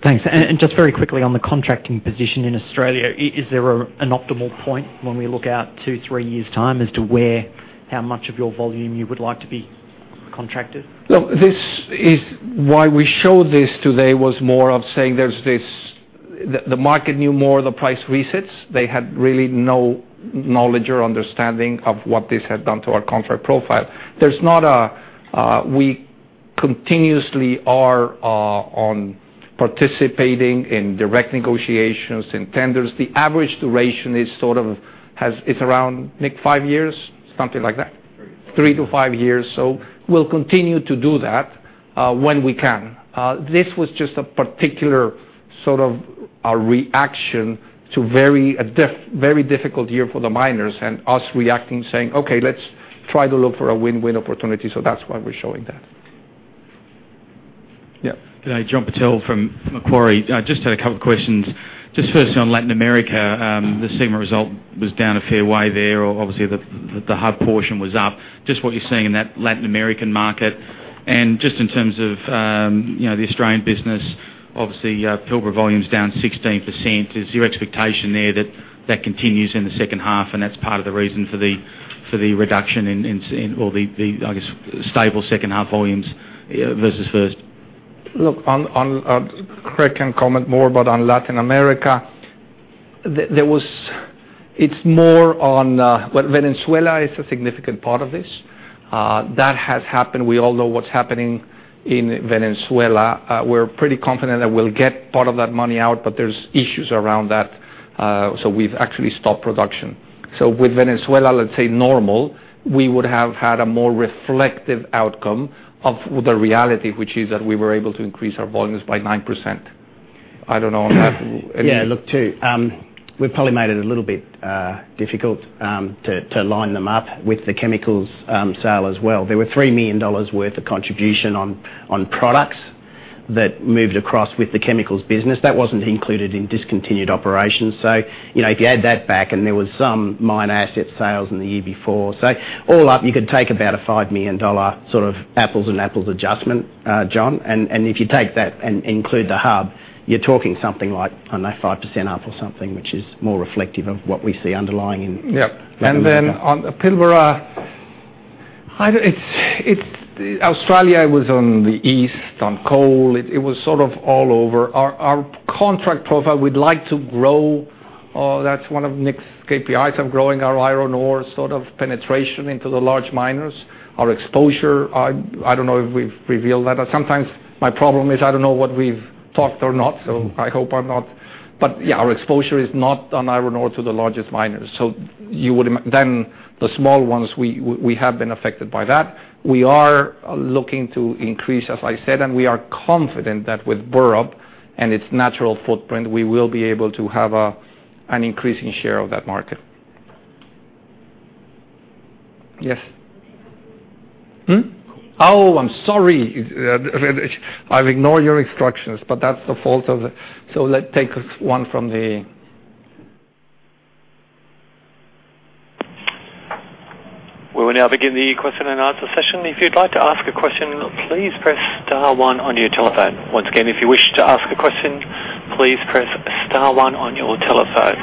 Thanks. Just very quickly on the contracting position in Australia, is there an optimal point when we look out two, three years' time as to where how much of your volume you would like to be contracted?
Look, why we showed this today was more of saying the market knew more of the price resets. They had really no knowledge or understanding of what this had done to our contract profile. There's not a we Continuously are on participating in direct negotiations, in tenders. The average duration is around, Nick, five years? Something like that.
Three to five years.
Three to five years. We'll continue to do that when we can. This was just a particular sort of a reaction to a very difficult year for the miners and us reacting, saying, "Okay, let's try to look for a win-win opportunity." That's why we're showing that. Yeah.
John Patel from Macquarie. Had a couple of questions. Firstly, on Latin America, the segment result was down a fair way there. Obviously, the hub portion was up. What you're seeing in that Latin American market, and in terms of the Australian business, obviously, Pilbara volume's down 16%. Is your expectation there that that continues in the second half, and that's part of the reason for the reduction in, or the, I guess, stable second half volumes versus first?
Look, Craig can comment more, but on Latin America, Venezuela is a significant part of this. That has happened. We all know what's happening in Venezuela. We're pretty confident that we'll get part of that money out, but there's issues around that, so we've actually stopped production. With Venezuela, let's say normal, we would have had a more reflective outcome of the reality, which is that we were able to increase our volumes by 9%. I don't know on that.
Yeah, look, too. We've probably made it a little bit difficult to line them up with the chemicals sale as well. There were 3 million dollars worth of contribution on products that moved across with the chemicals business. That wasn't included in discontinued operations. If you add that back, and there was some minor asset sales in the year before. All up, you could take about a 5 million dollar sort of apples and apples adjustment, John. If you take that and include the hub, you're talking something like, I don't know, 5% up or something, which is more reflective of what we see underlying.
Then on Pilbara, Australia was on the east on coal. It was sort of all over. Our contract profile, we'd like to grow. That's one of Nick Bowen's KPIs, of growing our iron ore sort of penetration into the large miners. Our exposure, I don't know if we've revealed that. Sometimes my problem is I don't know what we've talked or not. Our exposure is not on iron ore to the largest miners. The small ones, we have been affected by that. We are looking to increase, as I said. We are confident that with Burrup and its natural footprint, we will be able to have an increasing share of that market. Yes. Hmm? I'm sorry. I've ignored your instructions. Let's take one from the
We will now begin the question and answer session. If you'd like to ask a question, please press star one on your telephone. Once again, if you wish to ask a question, please press star one on your telephone.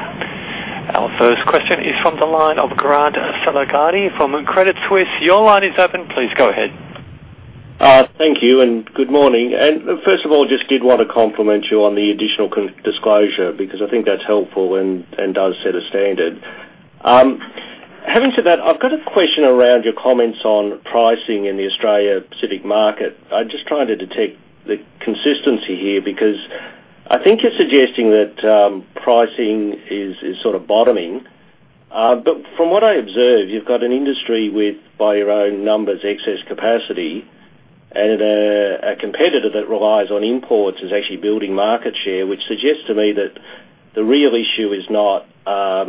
Our first question is from the line of Grant Felegati from Credit Suisse. Your line is open. Please go ahead.
Thank you. Good morning. First of all, just did want to compliment you on the additional disclosure because I think that's helpful and does set a standard. Having said that, I've got a question around your comments on pricing in the Australia Pacific market. I'm just trying to detect the consistency here because I think you're suggesting that pricing is sort of bottoming. From what I observe, you've got an industry with, by your own numbers, excess capacity. A competitor that relies on imports is actually building market share, which suggests to me that the real issue is not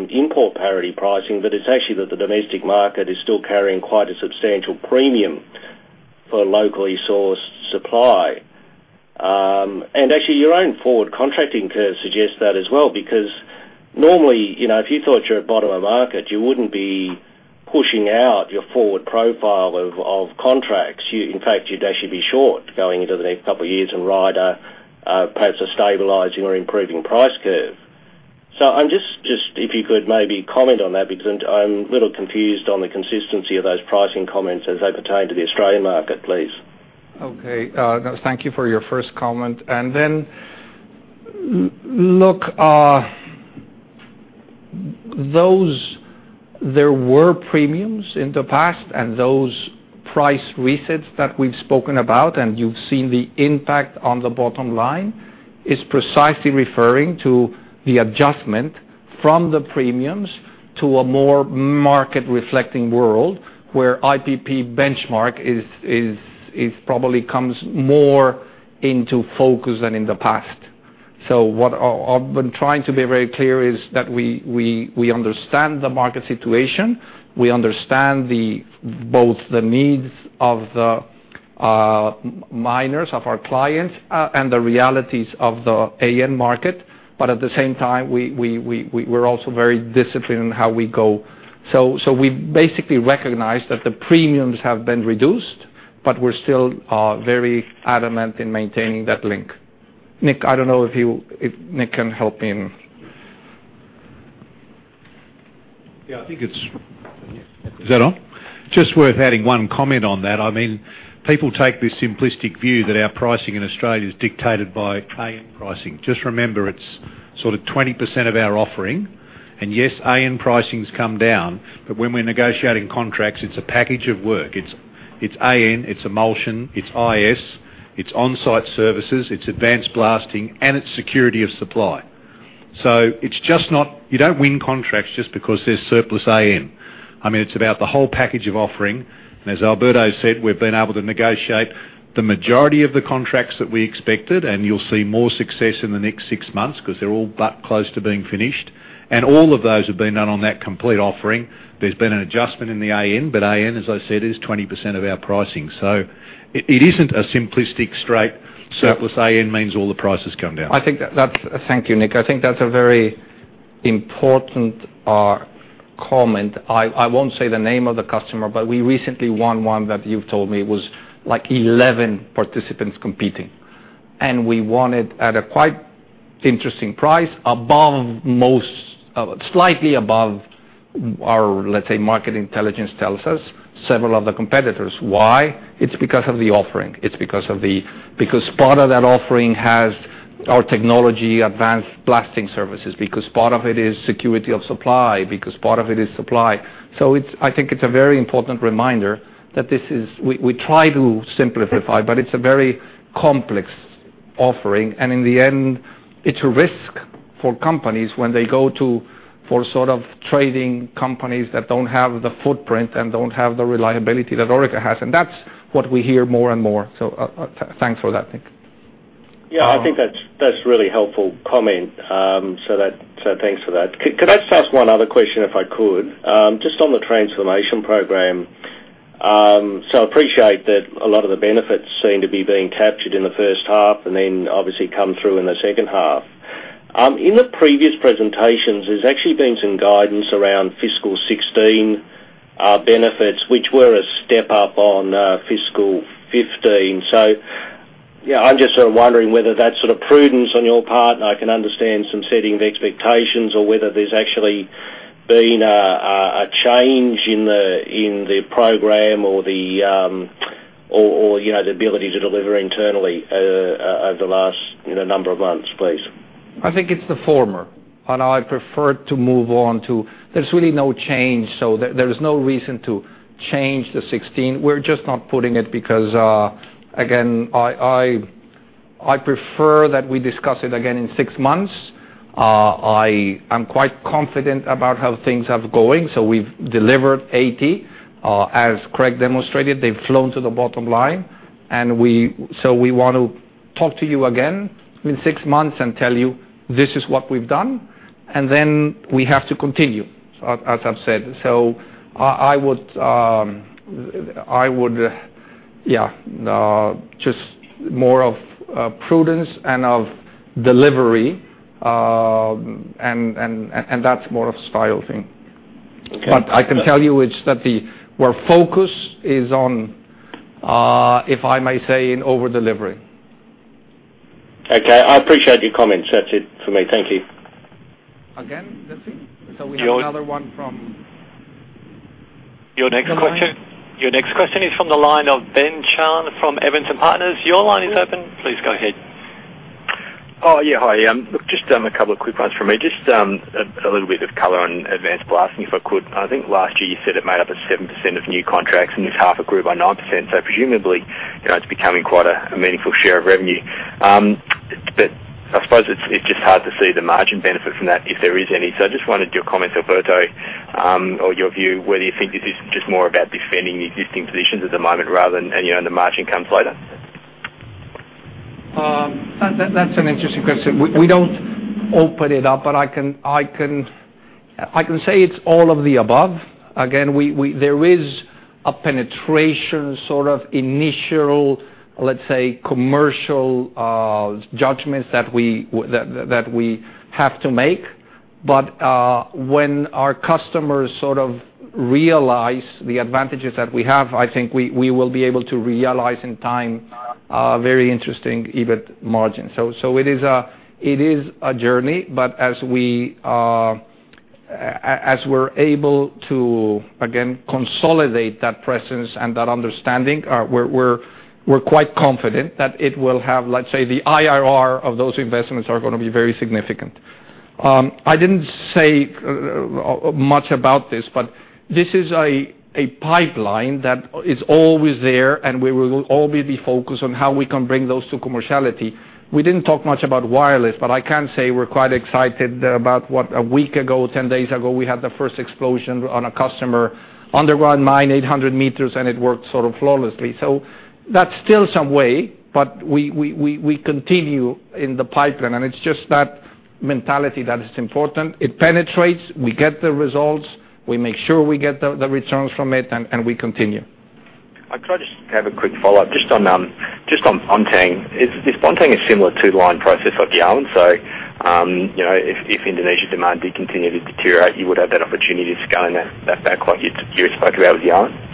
import parity pricing, but it's actually that the domestic market is still carrying quite a substantial premium for locally sourced supply. Actually, your own forward contracting curve suggests that as well because normally, if you thought you were at the bottom of the market, you wouldn't be pushing out your forward profile of contracts. In fact, you'd actually be short going into the next couple of years and ride a perhaps a stabilizing or improving price curve. If you could maybe comment on that because I'm a little confused on the consistency of those pricing comments as they pertain to the Australian market, please.
Okay. Thank you for your first comment. Look, there were premiums in the past and those price resets that we've spoken about and you've seen the impact on the bottom line is precisely referring to the adjustment from the premiums to a more market-reflecting world where IPP benchmark probably comes more into focus than in the past. What I've been trying to be very clear is that we understand the market situation. We understand both the needs of the miners, of our clients, and the realities of the AN market. At the same time, we're also very disciplined in how we go. We basically recognize that the premiums have been reduced, but we're still very adamant in maintaining that link. Nick, I don't know if Nick can help him.
Yeah. Is that on? Just worth adding one comment on that. I mean, people take this simplistic view that our pricing in Australia is dictated by AN pricing. Just remember, it's sort of 20% of our offering.
Yes, AN pricing's come down, but when we're negotiating contracts, it's a package of work. It's AN, it's bulk emulsion, it's IS, it's on-site services, it's advanced blasting, and it's security of supply. You don't win contracts just because there's surplus AN. It's about the whole package of offering. As Alberto said, we've been able to negotiate the majority of the contracts that we expected, and you'll see more success in the next six months because they're all that close to being finished. All of those have been done on that complete offering. There's been an adjustment in the AN, but AN, as I said, is 20% of our pricing. It isn't a simplistic, straight surplus AN means all the prices come down.
Thank you, Nick. I think that's a very important comment. I won't say the name of the customer, but we recently won one that you've told me was like 11 participants competing. We won it at a quite interesting price, slightly above our, let's say, market intelligence tells us, several other competitors. Why? It's because of the offering. It's because part of that offering has our technology advanced blasting services, because part of it is security of supply, because part of it is supply. I think it's a very important reminder. We try to simplify, but it's a very complex offering. In the end, it's a risk for companies when they go to trading companies that don't have the footprint and don't have the reliability that Orica has. That's what we hear more and more. Thanks for that, Nick.
Yeah, I think that's really helpful comment. Thanks for that. Could I just ask one other question if I could? Just on the transformation program. I appreciate that a lot of the benefits seem to be being captured in the first half, and then obviously come through in the second half. In the previous presentations, there's actually been some guidance around FY 2016 benefits, which were a step-up on FY 2015. I'm just wondering whether that's prudence on your part, and I can understand some setting of expectations or whether there's actually been a change in the program or the ability to deliver internally over the last number of months, please.
I think it's the former. I prefer to move on to, there's really no change. There's no reason to change the 2016. We're just not putting it because, again, I prefer that we discuss it again in six months. I am quite confident about how things are going. We've delivered 80. As Craig demonstrated, they've flown to the bottom line. We want to talk to you again in six months and tell you, "This is what we've done." We have to continue, as I've said. I would, yeah. Just more of prudence and of delivery, and that's more of style thing.
Okay.
I can tell you is that our focus is on, if I may say, in over-delivery.
Okay. I appreciate your comments. That's it for me. Thank you.
Again, Lucy. We have another one from-
Your next question is from the line of Ben Chan from Evercore Partners. Your line is open. Please go ahead.
Oh, yeah. Hi. Look, just a couple of quick ones from me. Just a little bit of color on advanced blasting, if I could. I think last year you said it made up of 7% of new contracts, and this half it grew by 9%. Presumably, it's becoming quite a meaningful share of revenue. I suppose it's just hard to see the margin benefit from that, if there is any. I just wanted your comments, Alberto, or your view, whether you think this is just more about defending existing positions at the moment rather than the margin comes later.
That's an interesting question. We don't open it up, but I can say it's all of the above. Again, there is a penetration initial, let's say, commercial judgments that we have to make. When our customers realize the advantages that we have, I think we will be able to realize in time a very interesting EBIT margin. It is a journey, but as we're able to, again, consolidate that presence and that understanding, we're quite confident that it will have, let's say, the IRR of those investments are going to be very significant. I didn't say much about this, but this is a pipeline that is always there, and we will all be focused on how we can bring those to commerciality. We didn't talk much about wireless, but I can say we're quite excited about what a week ago, 10 days ago, we had the first explosion on a customer underground mine 800 meters. It worked flawlessly. That's still some way. We continue in the pipeline. It's just that mentality that is important. It penetrates, we get the results, we make sure we get the returns from it. We continue.
Could I just have a quick follow-up just on Bontang? Is Bontang a similar to the line process of Yarwun? If Indonesia demand did continue to deteriorate, you would have that opportunity to scale in that backlog you spoke about with Yarwun?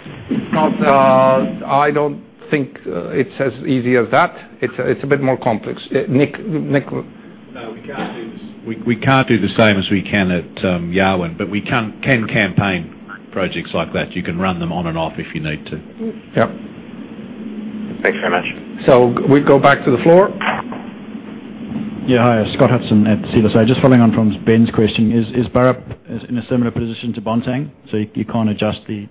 I don't think it's as easy as that. It's a bit more complex. Nick?
No, we can't do the same as we can at Yarwun. We can campaign projects like that. You can run them on and off if you need to.
Yep.
Thanks very much.
We go back to the floor.
Hi, Scott Hudson at Citigroup. Just following on from Ben's question, is Burrup in a similar position to Bontang, so you can't adjust the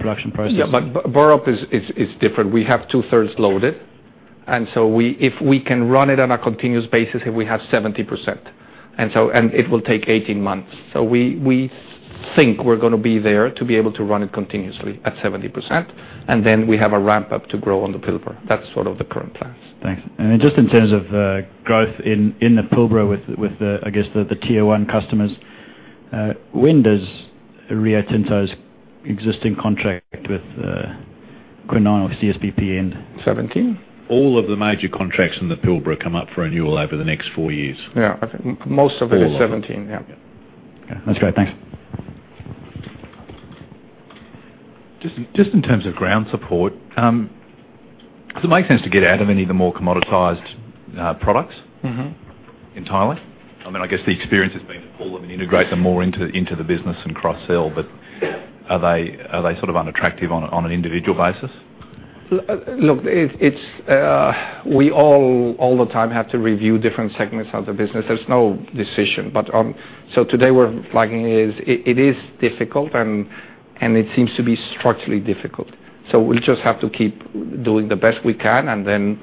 production process?
Burrup is different. We have two-thirds loaded, if we can run it on a continuous basis, we have 70%. It will take 18 months. We think we're going to be there to be able to run it continuously at 70%, and then we have a ramp up to grow on the Pilbara. That's sort of the current plans.
Thanks. Then just in terms of growth in the Pilbara with the, I guess, the tier 1 customers, when does Rio Tinto's existing contract with Kwinana or CSBP end?
'17.
All of the major contracts in the Pilbara come up for renewal over the next four years.
Yeah. Most of it is 2017.
All of it.
Yeah. Okay, that's great. Thanks.
Just in terms of ground support, does it make sense to get out of any of the more commoditized products entirely? I guess the experience has been to pull them and integrate them more into the business and cross-sell, but are they sort of unattractive on an individual basis?
Look, we all the time, have to review different segments of the business. There's no decision. Today we're flagging it. It is difficult, and it seems to be structurally difficult. We just have to keep doing the best we can and then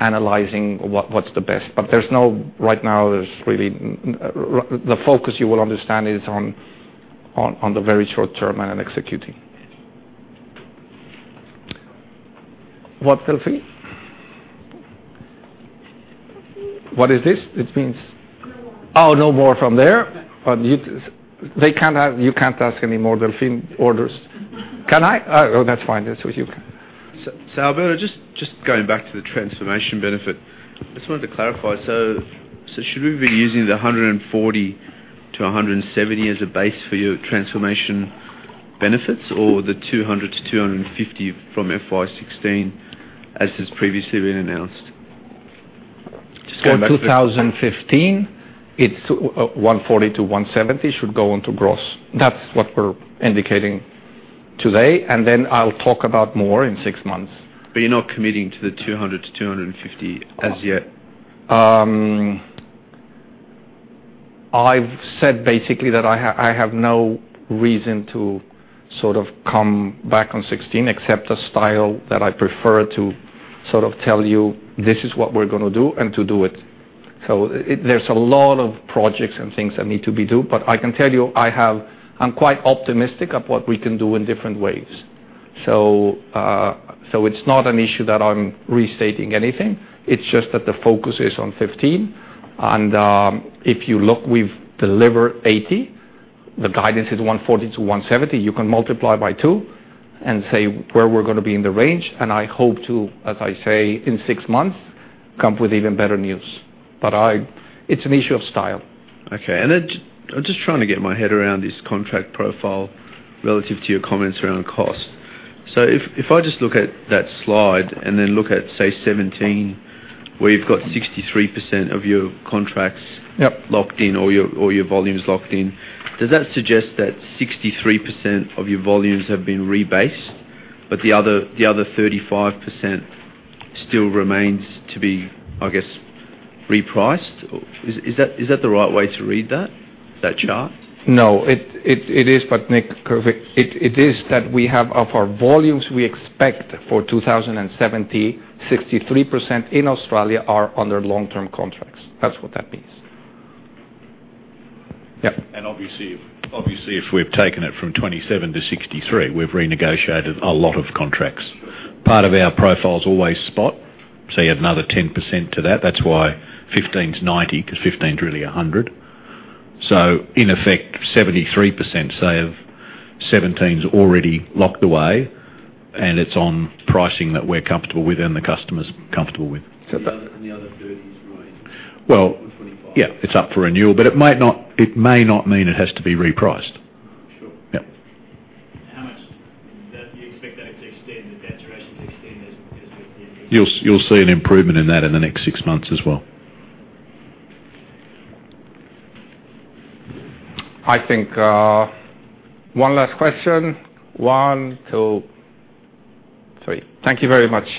analyzing what's the best. There's no right now. The focus, you will understand, is on the very short-term and on executing. What, Delfin? What is this? It means-
No more.
Oh, no more from there? You can't ask any more, Delfin orders. Can I? Oh, that's fine. You can.
Alberto, just going back to the transformation benefit, I just wanted to clarify. Should we be using the 140-170 as a base for your transformation benefits or the 200-250 from FY 2016, as has previously been announced?
For 2015, it's 140-170 should go onto gross. That's what we're indicating today, and then I'll talk about more in six months.
You're not committing to the 200-250 as yet?
I've said basically that I have no reason to sort of come back on 2016 except the style that I prefer to sort of tell you this is what we're going to do and to do it. There's a lot of projects and things that need to be done. I can tell you, I'm quite optimistic of what we can do in different ways. It's not an issue that I'm restating anything. It's just that the focus is on 2015. If you look, we've delivered 80 million. The guidance is 140 million-170 million. You can multiply by two and say where we're going to be in the range. I hope to, as I say, in six months, come with even better news. It's an issue of style.
Okay. I'm just trying to get my head around this contract profile relative to your comments around cost. If I just look at that slide and then look at, say 2017, where you've got 63% of your contracts-
Yep
locked in or your volume is locked in, does that suggest that 63% of your volumes have been rebased, but the other 35% still remains to be, I guess, repriced? Is that the right way to read that chart?
No. It is, Nick, it is that we have, of our volumes we expect for 2017, 63% in Australia are under long-term contracts. That's what that means.
Yep. Obviously, if we've taken it from 27 to 63, we've renegotiated a lot of contracts. Part of our profile is always spot. You add another 10% to that. That's why 15 is 90, because 15 is really 100. In effect, 73% say of 2017 is already locked away and it's on pricing that we're comfortable with and the customer's comfortable with.
The other 30 has raised.
Well-
to 25.
Yeah. It's up for renewal, but it may not mean it has to be repriced.
Sure.
Yep.
How much do you expect that to extend, the duration to extend as with the increase?
You'll see an improvement in that in the next six months as well.
I think, one last question. One, two, three. Thank you very much.